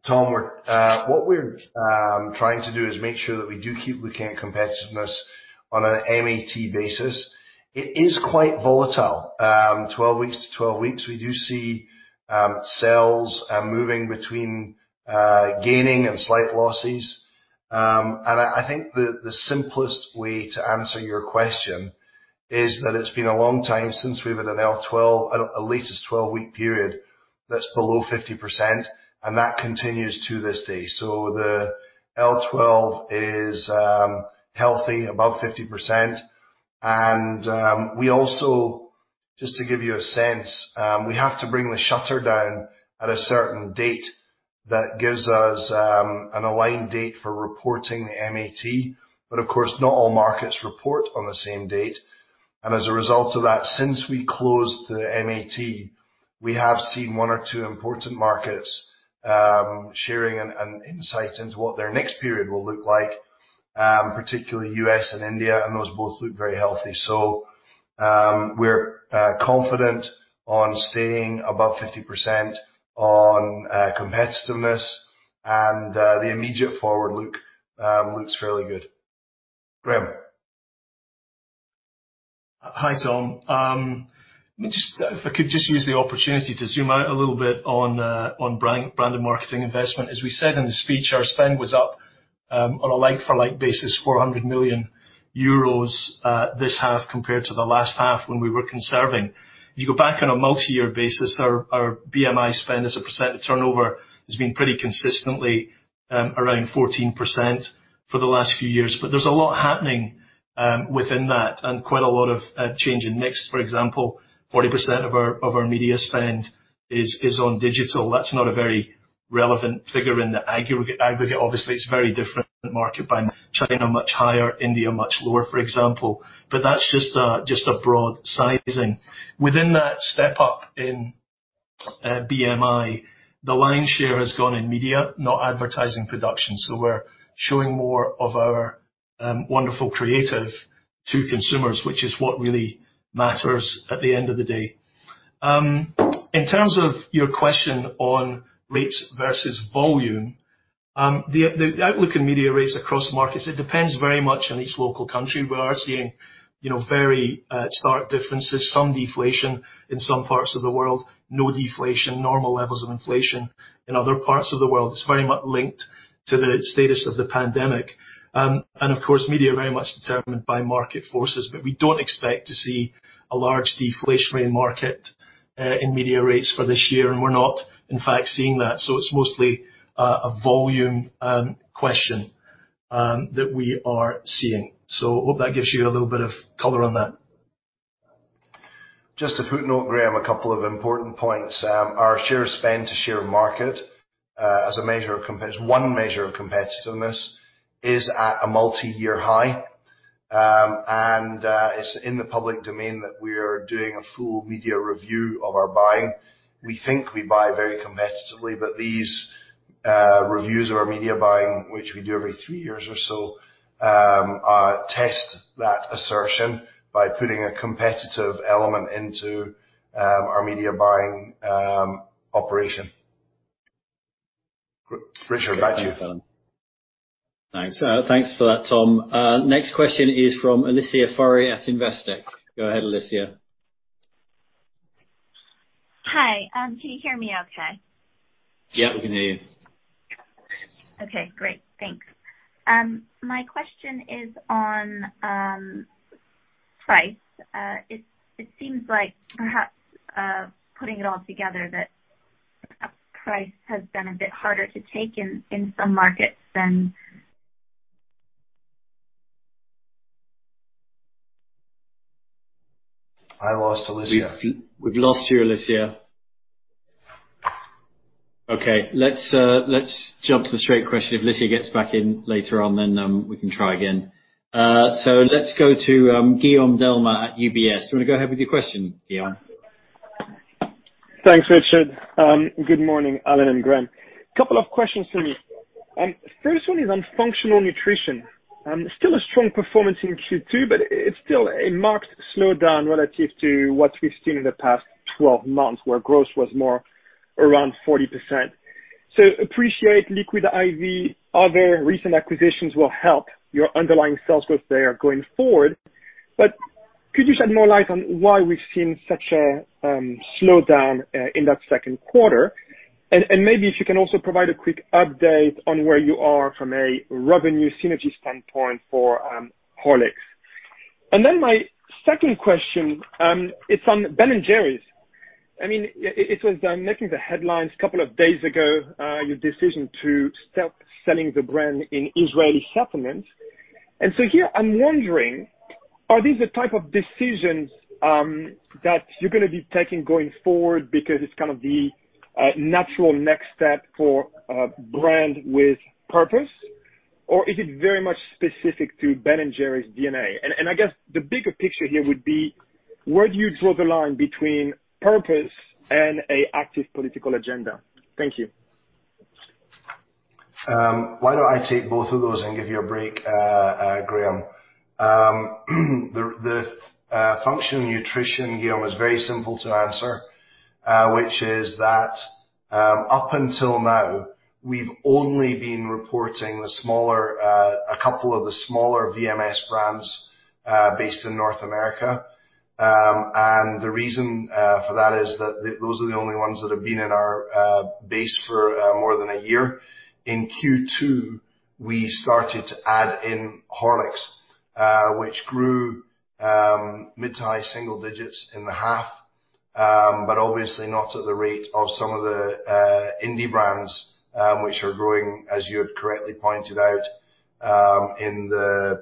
Tom, what we're trying to do is make sure that we do keep looking at competitiveness on an MAT basis. It is quite volatile. 12 weeks to 12 weeks, we do see sales moving between gaining and slight losses. I think the simplest way to answer your question is that it's been a long time since we've had a latest 12-week period that's below 50%, and that continues to this day. The L12 is healthy, above 50%. We also, just to give you a sense, we have to bring the shutter down at a certain date that gives us an aligned date for reporting the MAT. Of course, not all markets report on the same date. As a result of that, since we closed the MAT, we have seen one or two important markets sharing an insight into what their next period will look like, particularly U.S. and India, and those both look very healthy. We're confident on staying above 50% on competitiveness and the immediate forward look looks fairly good. Graeme. Hi, Tom. If I could just use the opportunity to zoom out a little bit on brand and marketing investment. As we said in the speech, our spend was up on a like for like basis, 400 million euros this half compared to the last half when we were conserving. You go back on a multi-year basis, our BMI spend as a percent of turnover has been pretty consistently around 14% for the last few years. There's a lot happening within that and quite a lot of change in mix. For example, 40% of our media spend is on digital. That's not a very relevant figure in the aggregate. It's very different market by market, China much higher, India much lower, for example. That's just a broad sizing. Within that step up in BMI, the lion's share has gone in media, not advertising production, we're showing more of our wonderful creative to consumers, which is what really matters at the end of the day. In terms of your question on rates versus volume, the outlook in media rates across markets, it depends very much on each local country. We are seeing very stark differences, some deflation in some parts of the world, no deflation, normal levels of inflation in other parts of the world. It's very much linked to the status of the pandemic. Of course, media are very much determined by market forces. We don't expect to see a large deflationary market in media rates for this year, and we're not, in fact, seeing that. It's mostly a volume question that we are seeing. Hope that gives you a little bit of color on that. Just a footnote, Graeme, a couple of important points. Our share spend to share market, as one measure of competitiveness is at a multiyear high. It's in the public domain that we are doing a full media review of our buying. We think we buy very competitively, but these reviews of our media buying, which we do every three years or so, test that assertion by putting a competitive element into our media buying operation. Richard, back to you. Thanks. Thanks for that, Tom. Next question is from Alicia Forry at Investec. Go ahead, Alicia. Hi, can you hear me okay? Yeah, we can hear you. Okay, great. Thanks. My question is on price. It seems like perhaps putting it all together that price has been a bit harder to take in some markets than. I lost Alicia. We've lost you, Alicia. Okay, let's jump to the straight question. If Alicia gets back in later on, then we can try again. Let's go to Guillaume Delmas at UBS. You want to go ahead with your question, Guillaume? Thanks, Richard. Good morning, Alan and Graeme. Couple of questions from me. First one is on Functional Nutrition. Still a strong performance in Q2, but it is still a marked slowdown relative to what we have seen in the past 12 months, where growth was more around 40%. Appreciate Liquid I.V., other recent acquisitions will help your underlying sales growth there going forward, but could you shed more light on why we have seen such a slowdown in that second quarter? Maybe if you can also provide a quick update on where you are from a revenue synergy standpoint for Horlicks. My second question, it is on Ben & Jerry's. It was making the headlines a couple of days ago, your decision to stop selling the brand in Israeli settlements. Here, I'm wondering, are these the type of decisions that you're going to be taking going forward because it's the natural next step for a brand with purpose, or is it very much specific to Ben & Jerry's DNA? I guess the bigger picture here would be where do you draw the line between purpose and an active political agenda? Thank you. Why don't I take both of those and give you a break, Graeme? The Functional Nutrition, Guillaume, is very simple to answer, which is that up until now, we've only been reporting a couple of the smaller VMS brands based in North America. The reason for that is that those are the only ones that have been in our base for more than a year. In Q2, we started to add in Horlicks, which grew mid to high single digits in the half, but obviously not at the rate of some of the indie brands, which are growing, as you had correctly pointed out, in the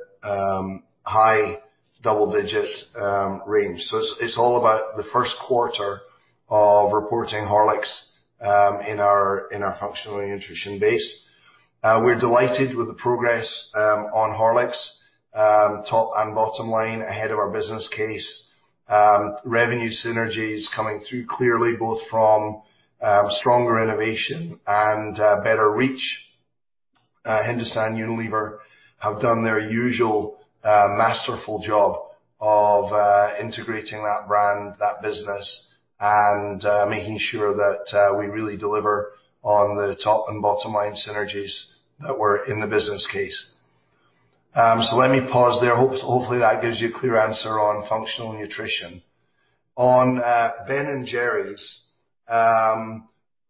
high double-digit range. It's all about the first quarter of reporting Horlicks in our Functional Nutrition base. We're delighted with the progress on Horlicks, top and bottom line ahead of our business case. Revenue synergies coming through clearly, both from stronger innovation and better reach. Hindustan Unilever have done their usual masterful job of integrating that brand, that business, and making sure that we really deliver on the top and bottom line synergies that were in the business case. Let me pause there. Hopefully, that gives you a clear answer on Functional Nutrition. On Ben & Jerry's,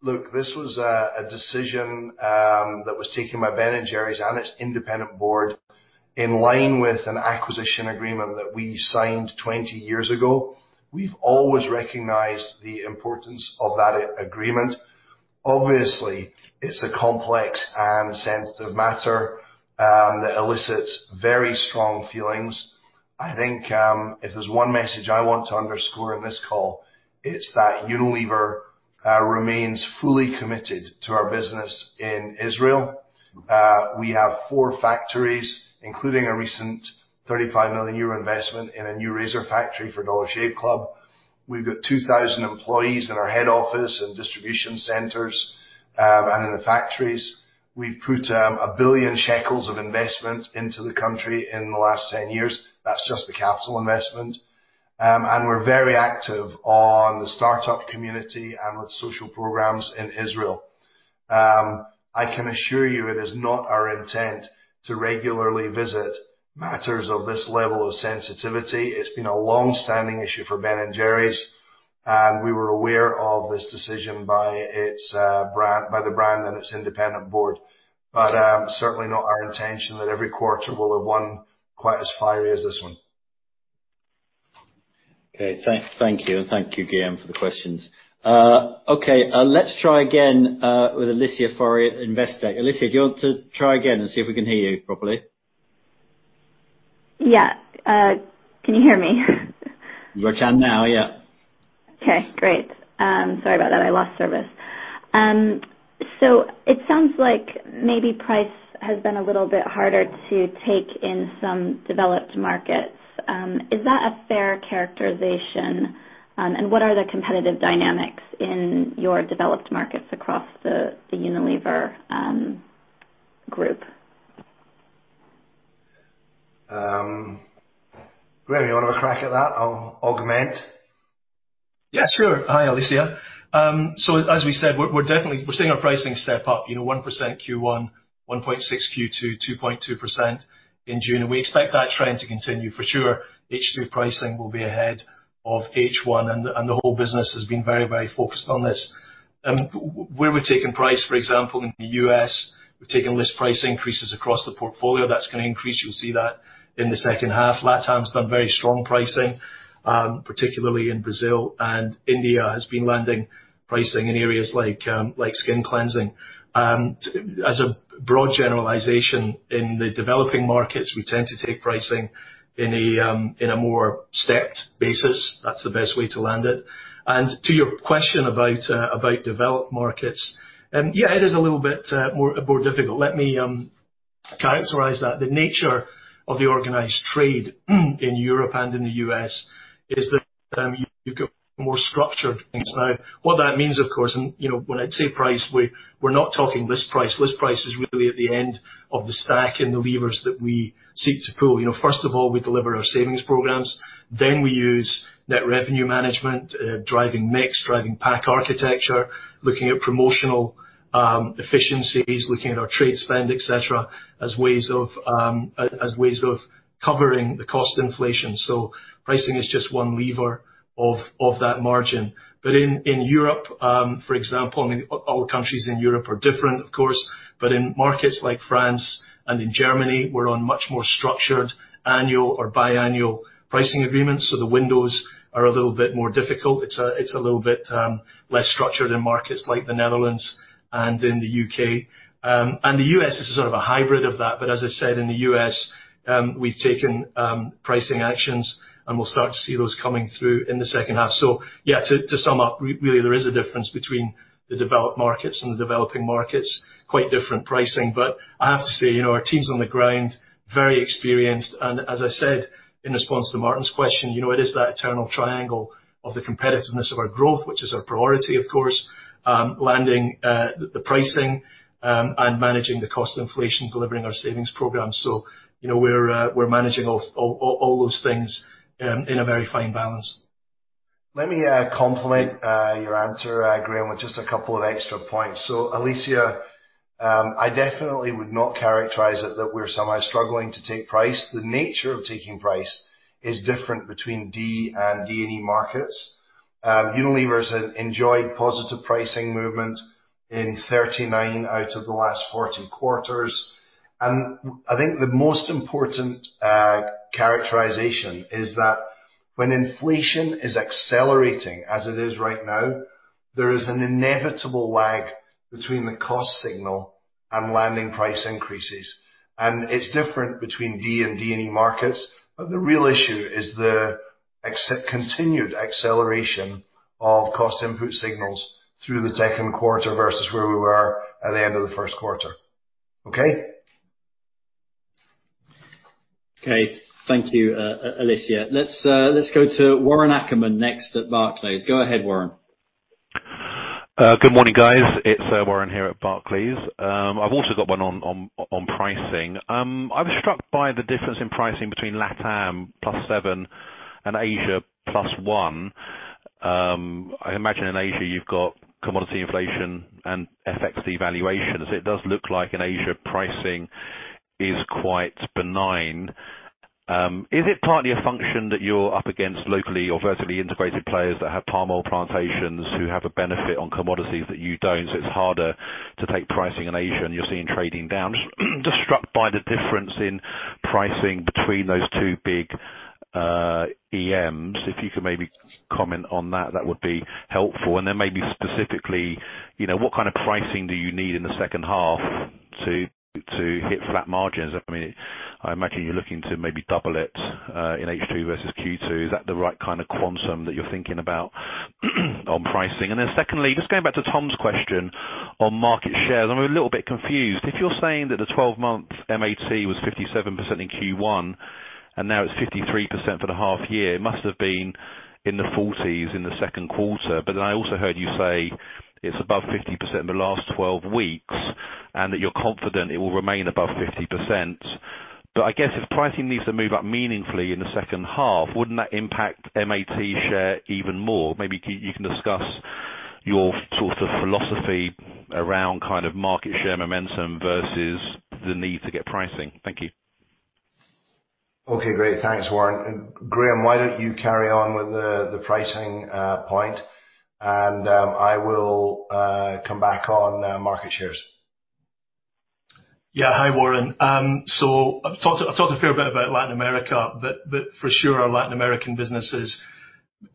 look, this was a decision that was taken by Ben & Jerry's and its independent board in line with an acquisition agreement that we signed 20 years ago. We've always recognized the importance of that agreement. Obviously, it's a complex and sensitive matter that elicits very strong feelings. I think if there's one message I want to underscore in this call, it's that Unilever remains fully committed to our business in Israel. We have 4 factories, including a recent 35 million euro investment in a new razor factory for Dollar Shave Club. We've got 2,000 employees in our head office and distribution centers and in the factories. We've put 1 billion shekels of investment into the country in the last 10 years. That's just the capital investment. We're very active on the startup community and with social programs in Israel. I can assure you it is not our intent to regularly visit matters of this level of sensitivity. It's been a long-standing issue for Ben & Jerry's, and we were aware of this decision by the brand and its independent board. Certainly not our intention that every quarter will have one quite as fiery as this one. Okay. Thank you. Thank you again for the questions. Let's try again, with Alicia from Investec. Alicia, do you want to try again and see if we can hear you properly? Yeah. Can you hear me? We can now, yeah. Okay, great. Sorry about that. I lost service. It sounds like maybe price has been a little bit harder to take in some developed markets. Is that a fair characterization? What are the competitive dynamics in your developed markets across the Unilever group? Graeme, you want to have a crack at that? I'll augment. Yeah, sure. Hi, Alicia. As we said, we're seeing our pricing step up, 1% Q1, 1.6% Q2, 2.2% in June. We expect that trend to continue for sure. H2 pricing will be ahead of H1. The whole business has been very focused on this. Where we're taking price, for example, in the U.S., we've taken list price increases across the portfolio. That's going to increase. You'll see that in the second half. LATAM's done very strong pricing, particularly in Brazil. India has been landing pricing in areas like skin cleansing. As a broad generalization, in the developing markets, we tend to take pricing in a more stepped basis. That's the best way to land it. To your question about developed markets, yeah, it is a little bit more difficult. Let me characterize that. The nature of the organized trade in Europe and in the U.S. is that you've got more structured things now. What that means, of course, and when I say price, we're not talking list price. List price is really at the end of the stack in the levers that we seek to pull. First of all, we deliver our savings programs. We use net revenue management, driving mix, driving pack architecture, looking at promotional efficiencies, looking at our trade spend, et cetera, as ways of covering the cost inflation. Pricing is just one lever of that margin. In Europe, for example, all the countries in Europe are different, of course, but in markets like France and in Germany, we're on much more structured annual or biannual pricing agreements. The windows are a little bit more difficult. It's a little bit less structured in markets like the Netherlands and in the U.K. The U.S. is a sort of a hybrid of that, but as I said, in the U.S., we've taken pricing actions, and we'll start to see those coming through in the second half. Yeah, to sum up, really, there is a difference between the developed markets and the developing markets. Quite different pricing. I have to say, our teams on the ground, very experienced. As I said in response to Martin's question, it is that eternal triangle of the competitiveness of our growth, which is our priority, of course, landing the pricing, and managing the cost inflation, delivering our savings program. We're managing all those things in a very fine balance. Let me complement your answer, Graeme, with just a couple of extra points. Alicia, I definitely would not characterize it that we're somehow struggling to take price. The nature of taking price is different between D and D&E markets. Unilever has enjoyed positive pricing movement in 39 out of the last 40 quarters. I think the most important characterization is that when inflation is accelerating, as it is right now, there is an inevitable lag between the cost signal and landing price increases. It's different between D and D&E markets. The real issue is the continued acceleration of cost input signals through the second quarter versus where we were at the end of the first quarter. Okay. Okay. Thank you, Alicia. Let's go to Warren Ackerman next at Barclays. Go ahead, Warren. Good morning, guys. It's Warren here at Barclays. I've also got one on pricing. I was struck by the difference in pricing between LATAM +7% and Asia +1%. I imagine in Asia you've got commodity inflation and FX devaluations. It does look like in Asia, pricing is quite benign. Is it partly a function that you're up against locally or vertically integrated players that have palm oil plantations who have a benefit on commodities that you don't, so it's harder to take pricing in Asia and you're seeing trading down? Just struck by the difference in pricing between those two big-EMs. If you could maybe comment on that would be helpful. Then maybe specifically, what kind of pricing do you need in the second half to hit flat margins? I imagine you're looking to maybe double it in H2 versus Q2. Is that the right kind of quantum that you're thinking about on pricing? Secondly, just going back to Tom's question on market share, I'm a little bit confused. If you're saying that the 12 months MAT was 57% in Q1 and now it's 53% for the half year, it must have been in the 40s in the second quarter. I also heard you say it's above 50% in the last 12 weeks, and that you're confident it will remain above 50%. I guess if pricing needs to move up meaningfully in the second half, wouldn't that impact MAT share even more? Maybe you can discuss your sort of philosophy around market share momentum versus the need to get pricing. Thank you. Okay, great. Thanks, Warren. Graeme, why don't you carry on with the pricing point and I will come back on market shares. Hi, Warren. I've talked a fair bit about Latin America, but for sure, our Latin American business is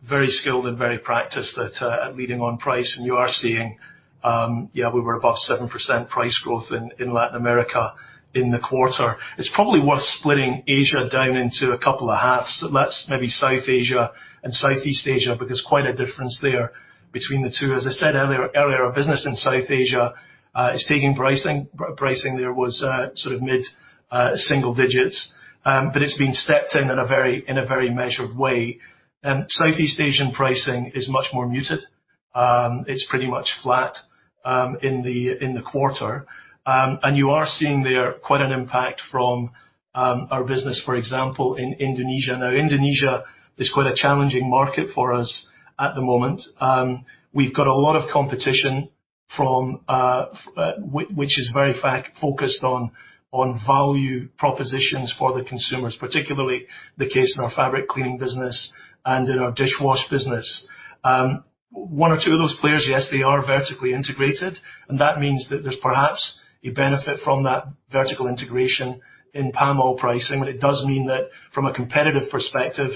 very skilled and very practiced at leading on price. You are seeing, we were above 7% price growth in Latin America in the quarter. It's probably worth splitting Asia down into a couple of halves. That's maybe South Asia and Southeast Asia, because quite a difference there between the two. As I said earlier, our business in South Asia is taking pricing. Pricing there was sort of mid-single digits. It's being stepped in in a very measured way. Southeast Asian pricing is much more muted. It's pretty much flat in the quarter. You are seeing there quite an impact from our business, for example, in Indonesia. Indonesia is quite a challenging market for us at the moment. We've got a lot of competition which is very focused on value propositions for the consumers, particularly the case in our fabric cleaning business and in our dish wash business. One or two of those players, yes, they are vertically integrated, and that means that there's perhaps a benefit from that vertical integration in palm oil pricing, but it does mean that from a competitive perspective,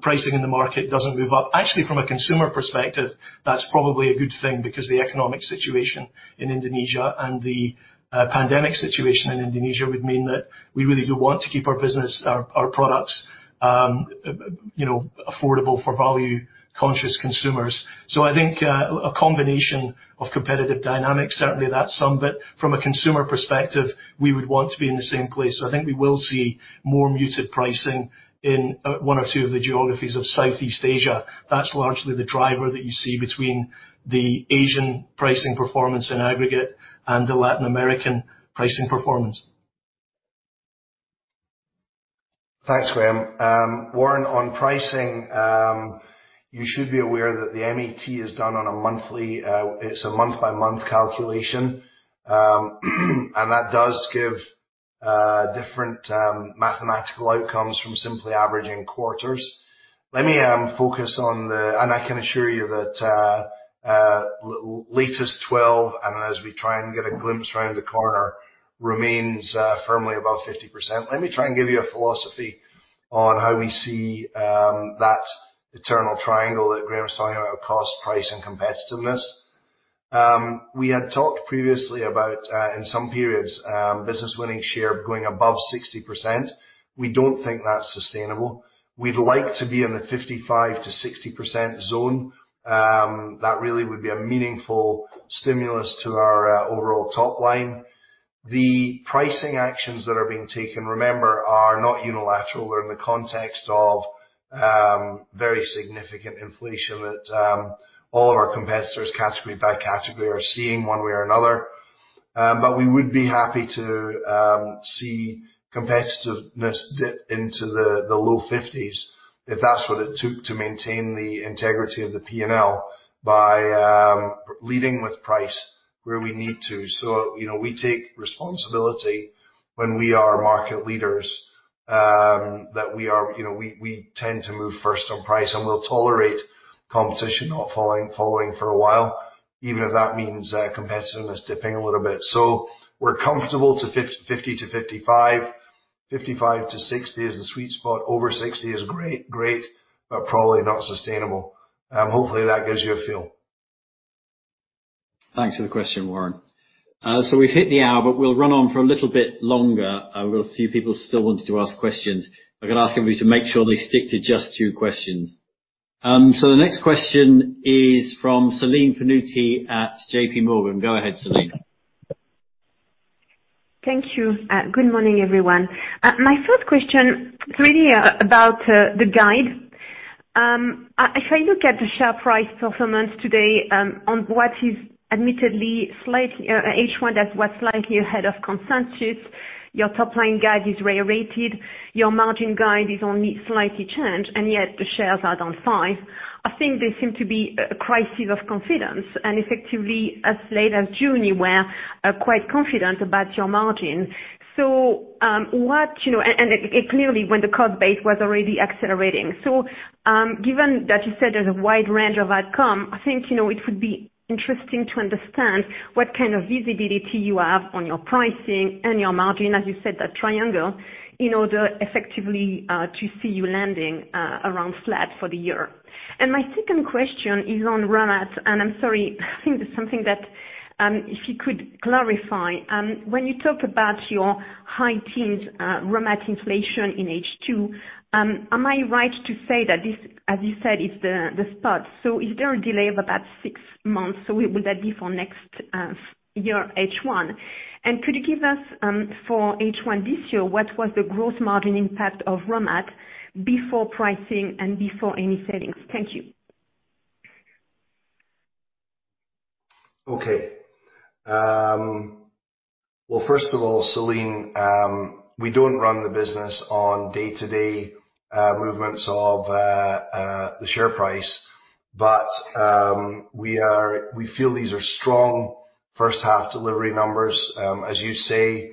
pricing in the market doesn't move up. Actually, from a consumer perspective, that's probably a good thing because the economic situation in Indonesia and the pandemic situation in Indonesia would mean that we really do want to keep our business, our products affordable for value conscious consumers. I think a combination of competitive dynamics, certainly that some, but from a consumer perspective, we would want to be in the same place. I think we will see more muted pricing in one or two of the geographies of Southeast Asia. That's largely the driver that you see between the Asian pricing performance in aggregate and the Latin American pricing performance. Thanks, Graeme. Warren, on pricing, you should be aware that the MAT is done on a month-by-month calculation. That does give different mathematical outcomes from simply averaging quarters. I can assure you that latest 12, and as we try and get a glimpse around the corner, remains firmly above 50%. Let me try and give you a philosophy on how we see that eternal triangle that Graeme was talking about, cost, price, and competitiveness. We had talked previously about, in some periods, business winning share going above 60%. We don't think that's sustainable. We'd like to be in the 55%-60% zone. That really would be a meaningful stimulus to our overall top line. The pricing actions that are being taken, remember, are not unilateral. We're in the context of very significant inflation that all of our competitors, category by category, are seeing one way or another. We would be happy to see competitiveness dip into the low 50s if that's what it took to maintain the integrity of the P&L by leading with price where we need to. We take responsibility when we are market leaders that we tend to move first on price, and we'll tolerate competition not following for a while, even if that means competitiveness dipping a little bit. We're comfortable to 50%-55%. 55%-60% is the sweet spot. Over 60% is great, but probably not sustainable. Hopefully, that gives you a feel. Thanks for the question, Warren. We've hit the hour, but we'll run on for a little bit longer. We've got a few people still wanting to ask questions. If I could ask everybody to make sure they stick to just two questions. The next question is from Celine Pannuti at JP Morgan. Go ahead, Celine. Thank you. Good morning, everyone. My first question is really about the guide. If I look at the share price performance today on what is admittedly H1 that's slightly ahead of consensus. Your top line guide is rerated, your margin guide is only slightly changed, and yet the shares are down 5. I think there seem to be a crisis of confidence and effectively as late as June, you were quite confident about your margin. Clearly when the cost base was already accelerating. Given that you said there's a wide range of outcome, I think it would be interesting to understand what kind of visibility you have on your pricing and your margin, as you said, that triangle, in order effectively to see you landing around flat for the year. My second question is on raw mats. I'm sorry, I think there's something that if you could clarify. When you talk about your high teens raw mat inflation in H2, am I right to say that this, as you said, is the spot. Is there a delay of about six months? Would that be for next year, H1? Could you give us, for H1 this year, what was the growth margin impact of raw mat before pricing and before any savings? Thank you. Okay. Well, first of all, Celine, we don't run the business on day-to-day movements of the share price. We feel these are strong first half delivery numbers. As you say,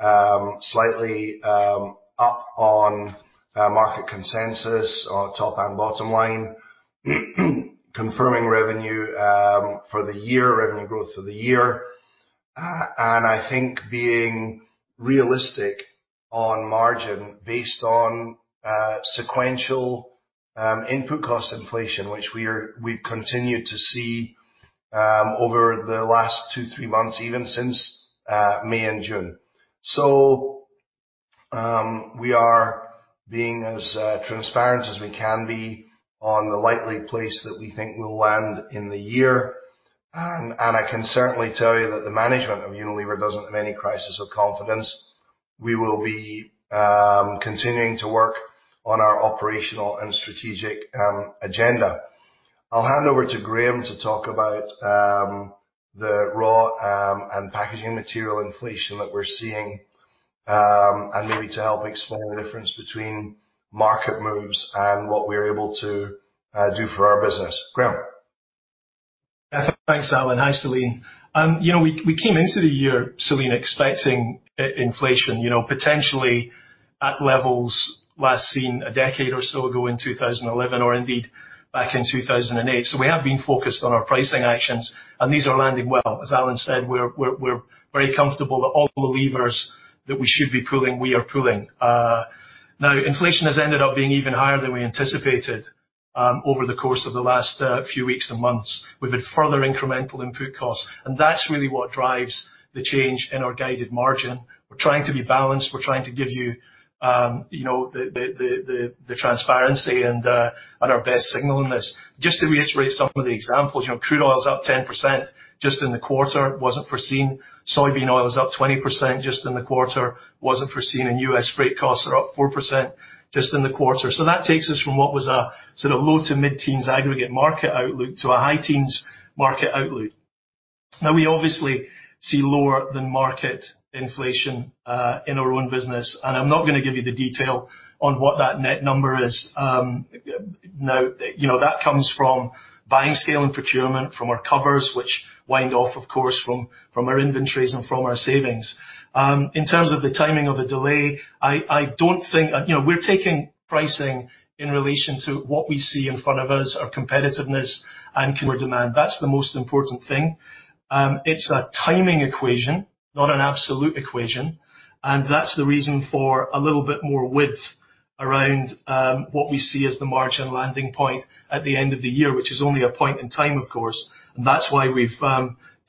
slightly up on market consensus on top and bottom line, confirming revenue for the year, revenue growth for the year. I think being realistic on margin based on sequential input cost inflation, which we've continued to see over the last two, three months, even since May and June. We are being as transparent as we can be on the likely place that we think we'll land in the year. I can certainly tell you that the management of Unilever doesn't have any crisis of confidence. We will be continuing to work on our operational and strategic agenda. I'll hand over to Graeme to talk about the raw and packaging material inflation that we're seeing, and maybe to help explain the difference between market moves and what we are able to do for our business. Graeme? Thanks, Alan. Hi, Celine. We came into the year, Celine, expecting inflation potentially at levels last seen a decade or so ago in 2011, or indeed back in 2008. We have been focused on our pricing actions, and these are landing well. As Alan said, we're very comfortable that all the levers that we should be pulling, we are pulling. Now, inflation has ended up being even higher than we anticipated over the course of the last few weeks and months, with further incremental input costs. That's really what drives the change in our guided margin. We're trying to be balanced. We're trying to give you the transparency and our best signal on this. To reiterate some of the examples, crude oil is up 10% just in the quarter, wasn't foreseen. Soybean oil is up 20% just in the quarter, wasn't foreseen. U.S. freight costs are up 4% just in the quarter. That takes us from what was a sort of low-to-mid teens aggregate market outlook to a high teens market outlook. Now, we obviously see lower than market inflation in our own business, and I'm not going to give you the detail on what that net number is. That comes from buying scale and procurement from our covers, which wind off, of course, from our inventories and from our savings. In terms of the timing of the delay, we're taking pricing in relation to what we see in front of us, our competitiveness and consumer demand. That's the most important thing. It's a timing equation, not an absolute equation. That's the reason for a little bit more width around what we see as the margin landing point at the end of the year, which is only a point in time, of course. That's why we've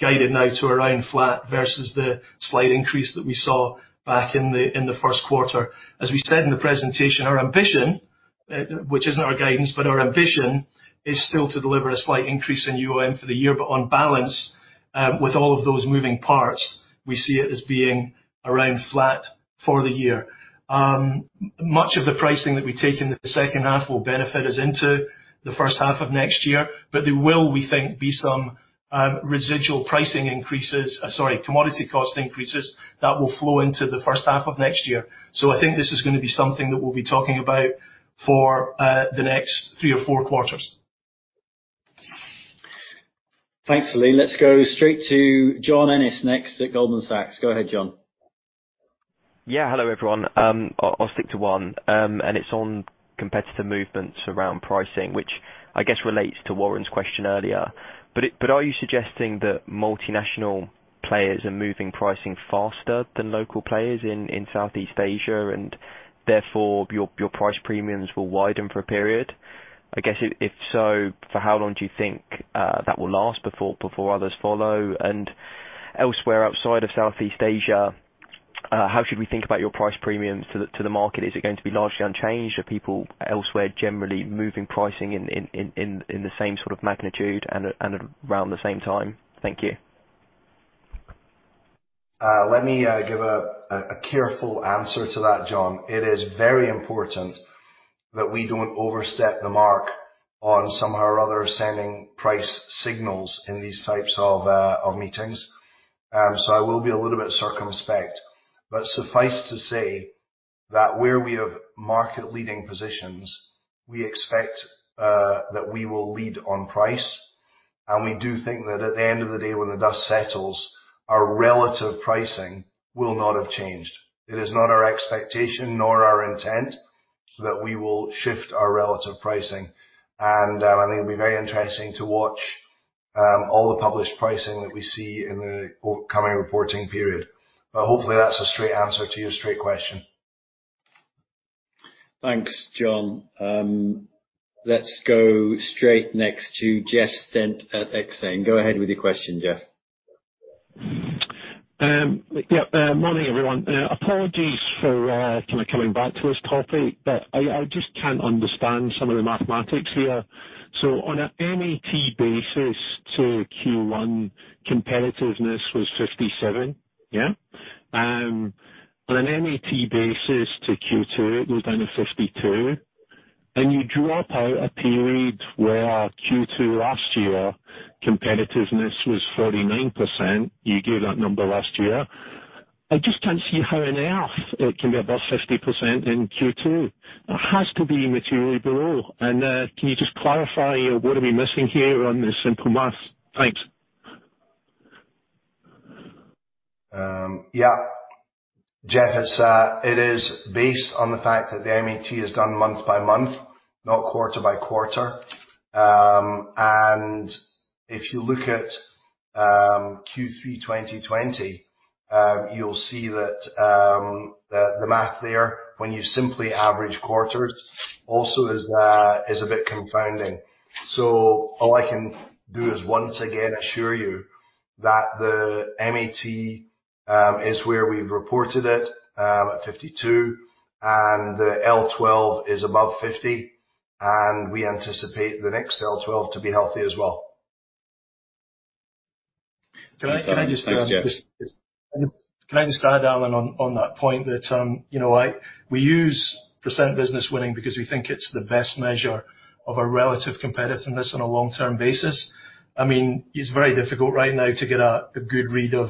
guided now to around flat versus the slight increase that we saw back in the first quarter. As we said in the presentation, our ambition, which isn't our guidance, but our ambition, is still to deliver a slight increase in UOM for the year. On balance, with all of those moving parts, we see it as being around flat for the year. Much of the pricing that we take into the second half will benefit us into the first half of next year, but there will, we think, be some residual pricing increases, sorry, commodity cost increases that will flow into the first half of next year. I think this is going to be something that we'll be talking about for the next three or four quarters. Thanks, Celine. Let's go straight to John Ennis next at Goldman Sachs. Go ahead, John. Yeah. Hello, everyone. I'll stick to one, and it's on competitor movements around pricing, which I guess relates to Warren's question earlier. Are you suggesting that multinational players are moving pricing faster than local players in Southeast Asia, and therefore, your price premiums will widen for a period? I guess, if so, for how long do you think that will last before others follow? Elsewhere, outside of Southeast Asia, how should we think about your price premiums to the market? Is it going to be largely unchanged? Are people elsewhere generally moving pricing in the same sort of magnitude and around the same time? Thank you. Let me give a careful answer to that, John. It is very important that we don't overstep the mark on somehow or other sending price signals in these types of meetings. I will be a little bit circumspect. Suffice to say that where we have market leading positions, we expect that we will lead on price. We do think that at the end of the day, when the dust settles, our relative pricing will not have changed. It is not our expectation nor our intent that we will shift our relative pricing. I think it'll be very interesting to watch all the published pricing that we see in the upcoming reporting period. Hopefully that's a straight answer to your straight question. Thanks, John. Let's go straight next to Jeff Stent at Exane. Go ahead with your question, Jeff. Yeah. Morning, everyone. Apologies for coming back to this topic, but I just can't understand some of the mathematics here. On a MET basis to Q1, competitiveness was 57%. Yeah? On an MET basis to Q2, it was down to 52%. You draw up out a period where Q2 last year competitiveness was 49%. You gave that number last year. I just can't see how on earth it can be above 50% in Q2. It has to be materially below. Can you just clarify what are we missing here on this simple math? Thanks. Jeff, it is based on the fact that the MET is done month by month, not quarter by quarter. If you look at Q3 2020, you'll see that the math there, when you simply average quarters, also is a bit confounding. All I can do is once again assure you that the MET is where we've reported it, at 52, and the L12 is above 50, and we anticipate the next L12 to be healthy as well. Thanks, Jeff. Can I just add, Alan, on that point that we use % business winning because we think it's the best measure of our relative competitiveness on a long-term basis. It's very difficult right now to get a good read of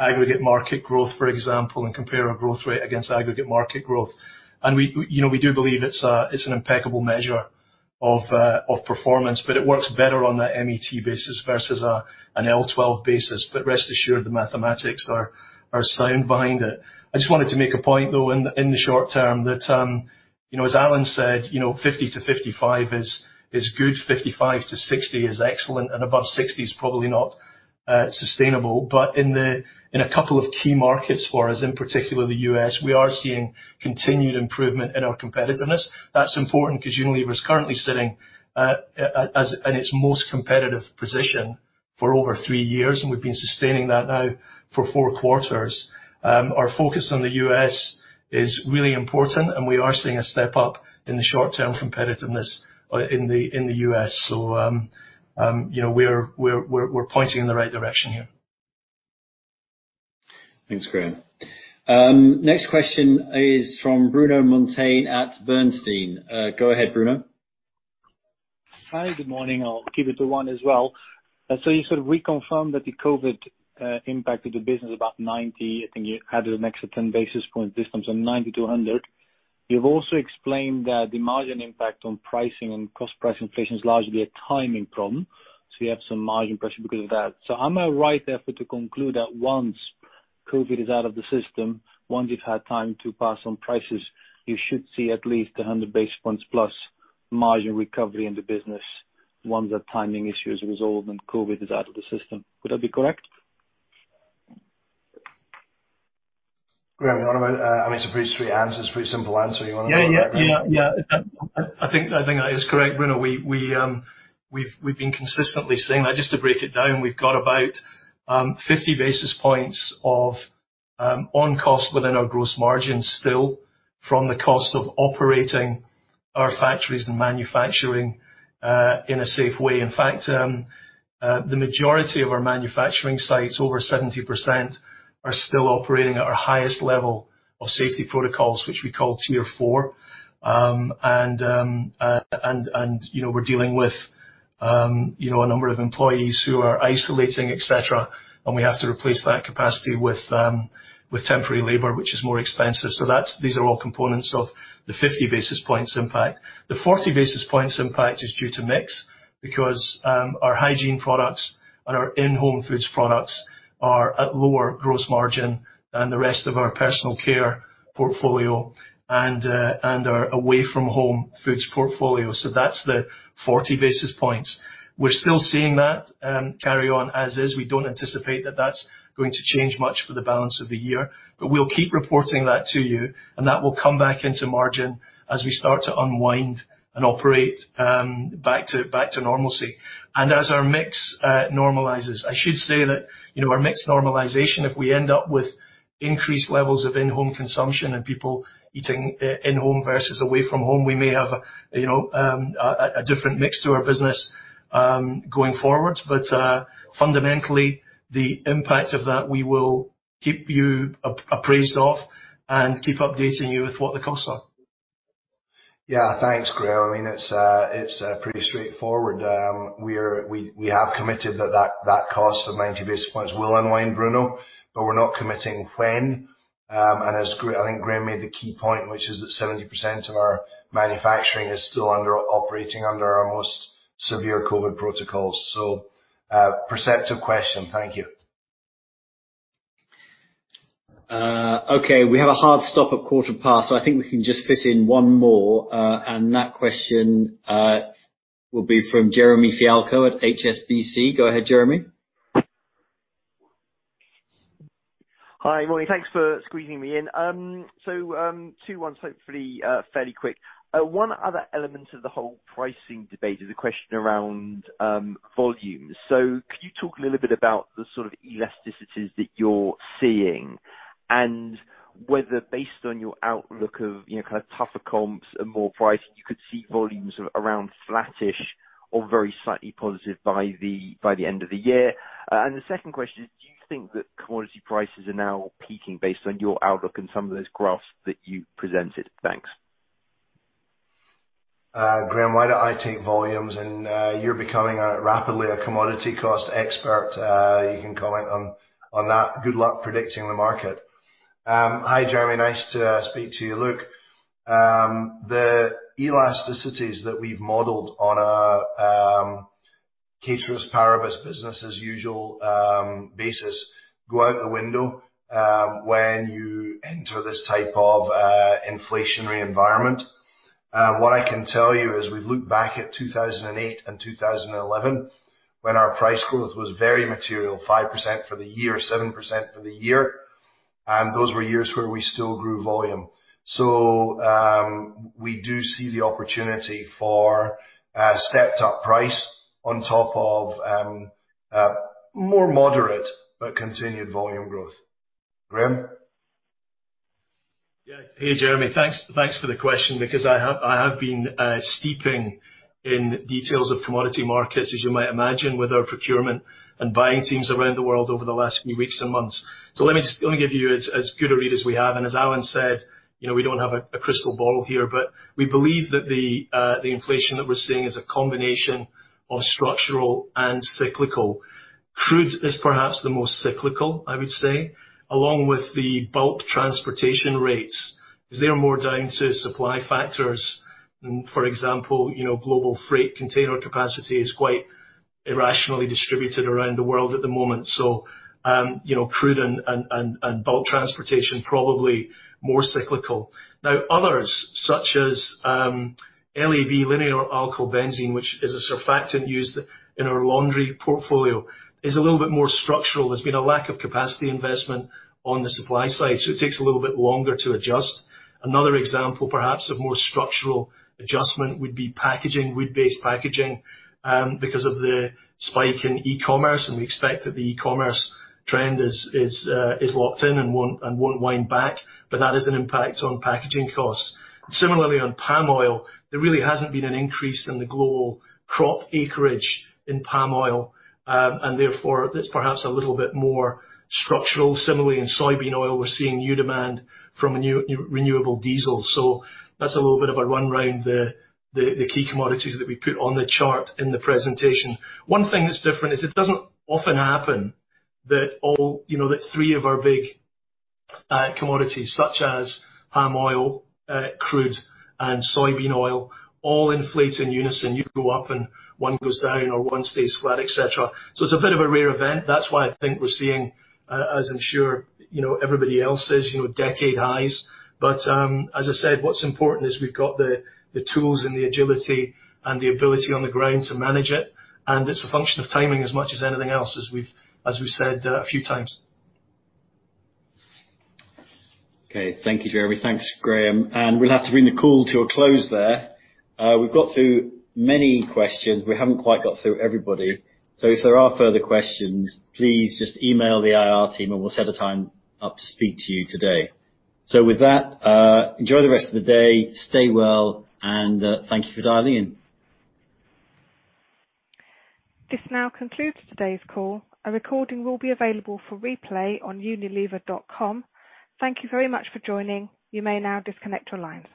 aggregate market growth, for example, and compare our growth rate against aggregate market growth. We do believe it's an impeccable measure of performance, but it works better on the MET basis versus an L12 basis. Rest assured, the mathematics are sound behind it. I just wanted to make a point, though, in the short term that as Alan said, 50-55 is good, 55-60 is excellent, and above 60 is probably not sustainable. In a couple of key markets for us, in particular the U.S., we are seeing continued improvement in our competitiveness. That's important because Unilever is currently sitting in its most competitive position for over three years, and we've been sustaining that now for four quarters. Our focus on the U.S. is really important, and we are seeing a step up in the short-term competitiveness in the U.S. We're pointing in the right direction here. Thanks, Graeme. Next question is from Bruno Monteyne at Bernstein. Go ahead, Bruno. Hi, good morning. I'll keep it to one as well. You sort of reconfirmed that the COVID impacted the business about 90. I think you added an extra 10 basis points this time, so 90 to 100. You've also explained that the margin impact on pricing and cost price inflation is largely a timing problem, so you have some margin pressure because of that. Am I right, therefore, to conclude that once COVID is out of the system, once you've had time to pass on prices, you should see at least 100 basis points plus margin recovery in the business once that timing issue is resolved and COVID is out of the system. Would that be correct? Graeme, do you want to I mean, it's a pretty straight answer? It's a pretty simple answer. You want to go on that, Graeme? Yeah. I think that is correct, Bruno. We've been consistently seeing that. Just to break it down, we've got about 50 basis points of on cost within our gross margin still from the cost of operating our factories and manufacturing in a safe way. In fact, the majority of our manufacturing sites, over 70%, are still operating at our highest level of safety protocols, which we call tier four. We're dealing with a number of employees who are isolating, et cetera, and we have to replace that capacity with temporary labor, which is more expensive. These are all components of the 50 basis points impact. The 40 basis points impact is due to mix because our hygiene products and our in-home foods products are at lower gross margin than the rest of our personal care portfolio and our away-from-home foods portfolio. That's the 40 basis points. We're still seeing that carry on as is. We don't anticipate that that's going to change much for the balance of the year. We'll keep reporting that to you, and that will come back into margin as we start to unwind and operate back to normalcy and as our mix normalizes. I should say that our mix normalization, if we end up with increased levels of in-home consumption and people eating in-home versus away from home, we may have a different mix to our business going forward. Fundamentally, the impact of that, we will keep you appraised of and keep updating you with what the costs are. Thanks, Graeme. It's pretty straightforward. We have committed that that cost of 90 basis points will unwind, Bruno, but we're not committing when. I think Graeme made the key point, which is that 70% of our manufacturing is still operating under our most severe COVID protocols. Perceptive question. Thank you. Okay, we have a hard stop at quarter past, so I think we can just fit in one more, and that question will be from Jeremy Fialko at HSBC. Go ahead, Jeremy. Hi. Morning. Thanks for squeezing me in. Two ones, hopefully fairly quick. One other element of the whole pricing debate is the question around volumes. Can you talk a little bit about the sort of elasticities that you're seeing and whether, based on your outlook of kind of tougher comps and more pricing, you could see volumes around flattish or very slightly positive by the end of the year? The second question is, do you think that commodity prices are now peaking based on your outlook and some of those graphs that you presented? Thanks. Graeme, why don't I take volumes? You're becoming rapidly a commodity cost expert, you can comment on that. Good luck predicting the market. Hi, Jeremy. Nice to speak to you. Look, the elasticities that we've modeled on a ceteris paribus business as usual basis go out the window when you enter this type of inflationary environment. What I can tell you is we've looked back at 2008 and 2011, when our price growth was very material, 5% for the year, 7% for the year. Those were years where we still grew volume. We do see the opportunity for a stepped up price on top of more moderate but continued volume growth. Graeme? Yeah. Hey, Jeremy. Thanks for the question, because I have been steeping in details of commodity markets, as you might imagine, with our procurement and buying teams around the world over the last few weeks and months. Let me just give you as good a read as we have. As Alan said, we don't have a crystal ball here, but we believe that the inflation that we're seeing is a combination of structural and cyclical. Crude is perhaps the most cyclical, I would say, along with the bulk transportation rates, because they're more down to supply factors. For example, global freight container capacity is quite irrationally distributed around the world at the moment. Crude and bulk transportation probably more cyclical. Others, such as LAB, linear alkylbenzene, which is a surfactant used in our laundry portfolio, is a little bit more structural. There's been a lack of capacity investment on the supply side, so it takes a little bit longer to adjust. Another example, perhaps, of more structural adjustment would be packaging, wood-based packaging, because of the spike in e-commerce, and we expect that the e-commerce trend is locked in and won't wind back. That is an impact on packaging costs. Similarly, on palm oil, there really hasn't been an increase in the global crop acreage in palm oil. Therefore, that's perhaps a little bit more structural. Similarly, in soybean oil, we're seeing new demand from renewable diesel. That's a little bit of a run round the key commodities that we put on the chart in the presentation. One thing that's different is it doesn't often happen that three of our big commodities, such as palm oil, crude, and soybean oil, all inflate in unison. Usually go up and one goes down or one stays flat, et cetera. It's a bit of a rare event. That's why I think we're seeing, as I'm sure everybody else is, decade highs. As I said, what's important is we've got the tools and the agility and the ability on the ground to manage it, and it's a function of timing as much as anything else, as we've said a few times. Okay. Thank you, Jeremy. Thanks, Graeme. We'll have to bring the call to a close there. We've got through many questions. We haven't quite got through everybody. If there are further questions, please just email the IR team and we'll set a time up to speak to you today. With that, enjoy the rest of the day, stay well, and thank you for dialing in. This now concludes today's call. A recording will be available for replay on unilever.com. Thank you very much for joining. You may now disconnect your lines.